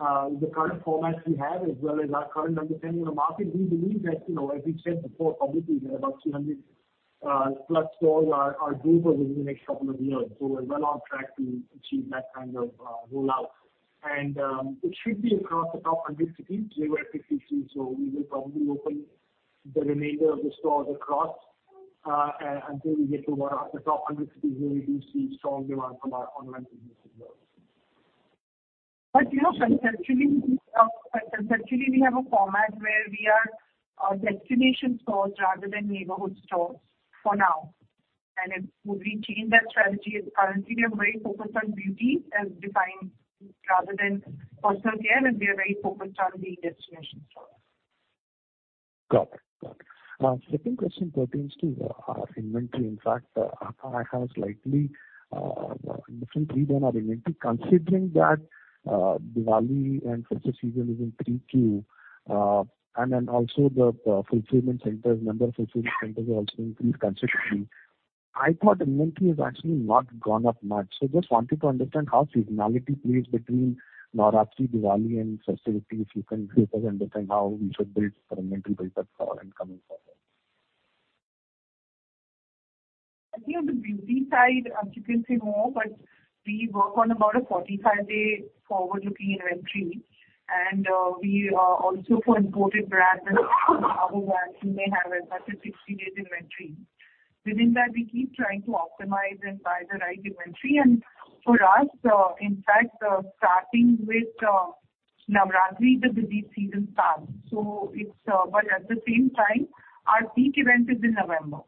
Given our current formats we have as well as our current understanding of the market, we believe that, you know, as we've said before, probably we're about 200 plus stores are doable within the next couple of years. We're well on track to achieve that kind of rollout. It should be across the top 100 cities, Tier one, Tier two cities. We will probably open the remainder of the stores across until we get to the top 100 cities where we do see strong demand from our online business as well. You know, conceptually, we have a format where we are destination stores rather than neighborhood stores for now. If we would change that strategy, it's currently we are very focused on beauty as defined rather than personal care, and we are very focused on being destination stores. Got it. Second question pertains to our inventory. In fact, I have slightly different read on our inventory. Considering that Diwali and festive season is in Q3, and then also the fulfillment centers, number of fulfillment centers have also increased considerably, I thought inventory has actually not gone up much. Just wanted to understand how seasonality plays between Navratri, Diwali and festive season. If you can help us understand how we should build our inventory build-up going forward. I think on the beauty side, Anchit can say more, but we work on about a 45-day forward-looking inventory. We also for imported brands and our brands, we may have as much as 60 days inventory. Within that, we keep trying to optimize and buy the right inventory. For us, in fact, starting with Navratri, the busy season starts. It's. At the same time, our peak event is in November.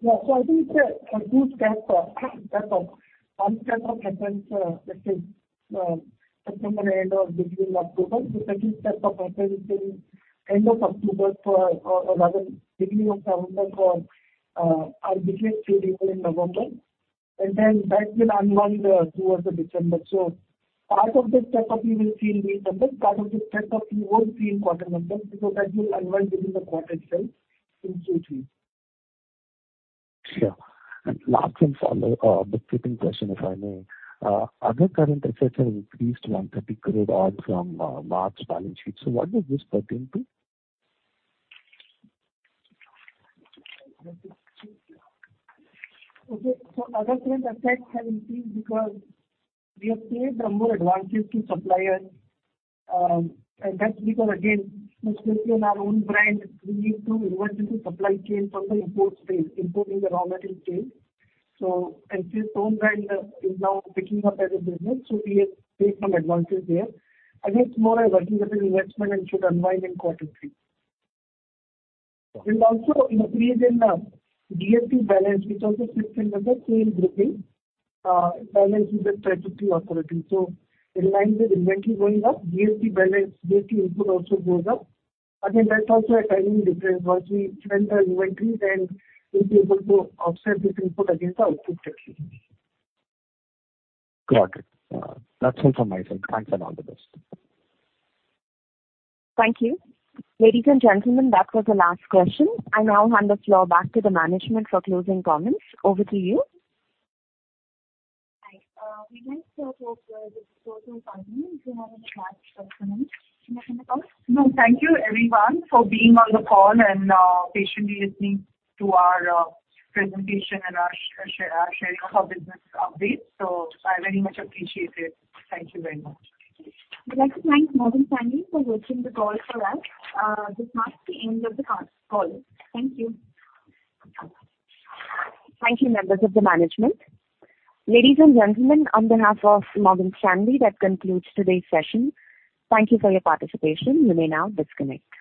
Yeah. I think it's a two-step step up. One step up happens, let's say, September end or beginning October. The second step up happens in end of October for, or rather beginning of November for, our biggest Q4 in November. That will unwind towards the December. Part of the step up you will see in December, part of the step up you won't see in quarter number, because that will unwind within the quarter itself in Q3. Sure. Last and final, the third question, if I may. Other current assets have increased to INR 130 crore odd from March balance sheet. What does this pertain to? Okay. Other current assets have increased because we have paid some more advances to suppliers, and that's because again, especially on our own brand, we need to revert to the supply chain from the import space, importing the raw material chain. And since own brand is now picking up as a business, we have paid some advances there. Again, it's more a working capital investment and should unwind in quarter three. There's also increase in GST balance, which also sits under the same grouping, balance with the statutory authority. In line with inventory going up, GST balance, GST input also goes up. Again, that's also a timing difference. Once we trim the inventory, then we'll be able to offset this input against our output section. Got it. That's all from my side. Thanks, and all the best. Thank you. Ladies and gentlemen, that was the last question. I now hand the floor back to the management for closing comments. Over to you. Hi. We'd like to close this quarter's earnings. If you have any last comments? Any comments? No. Thank you everyone for being on the call and patiently listening to our presentation and our sharing of our business updates. I very much appreciate it. Thank you very much. We'd like to thank Morgan Stanley for hosting the call for us. This marks the end of the call. Thank you. Thank you, members of the management. Ladies and gentlemen, on behalf of Morgan Stanley, that concludes today's session. Thank you for your participation. You may now disconnect.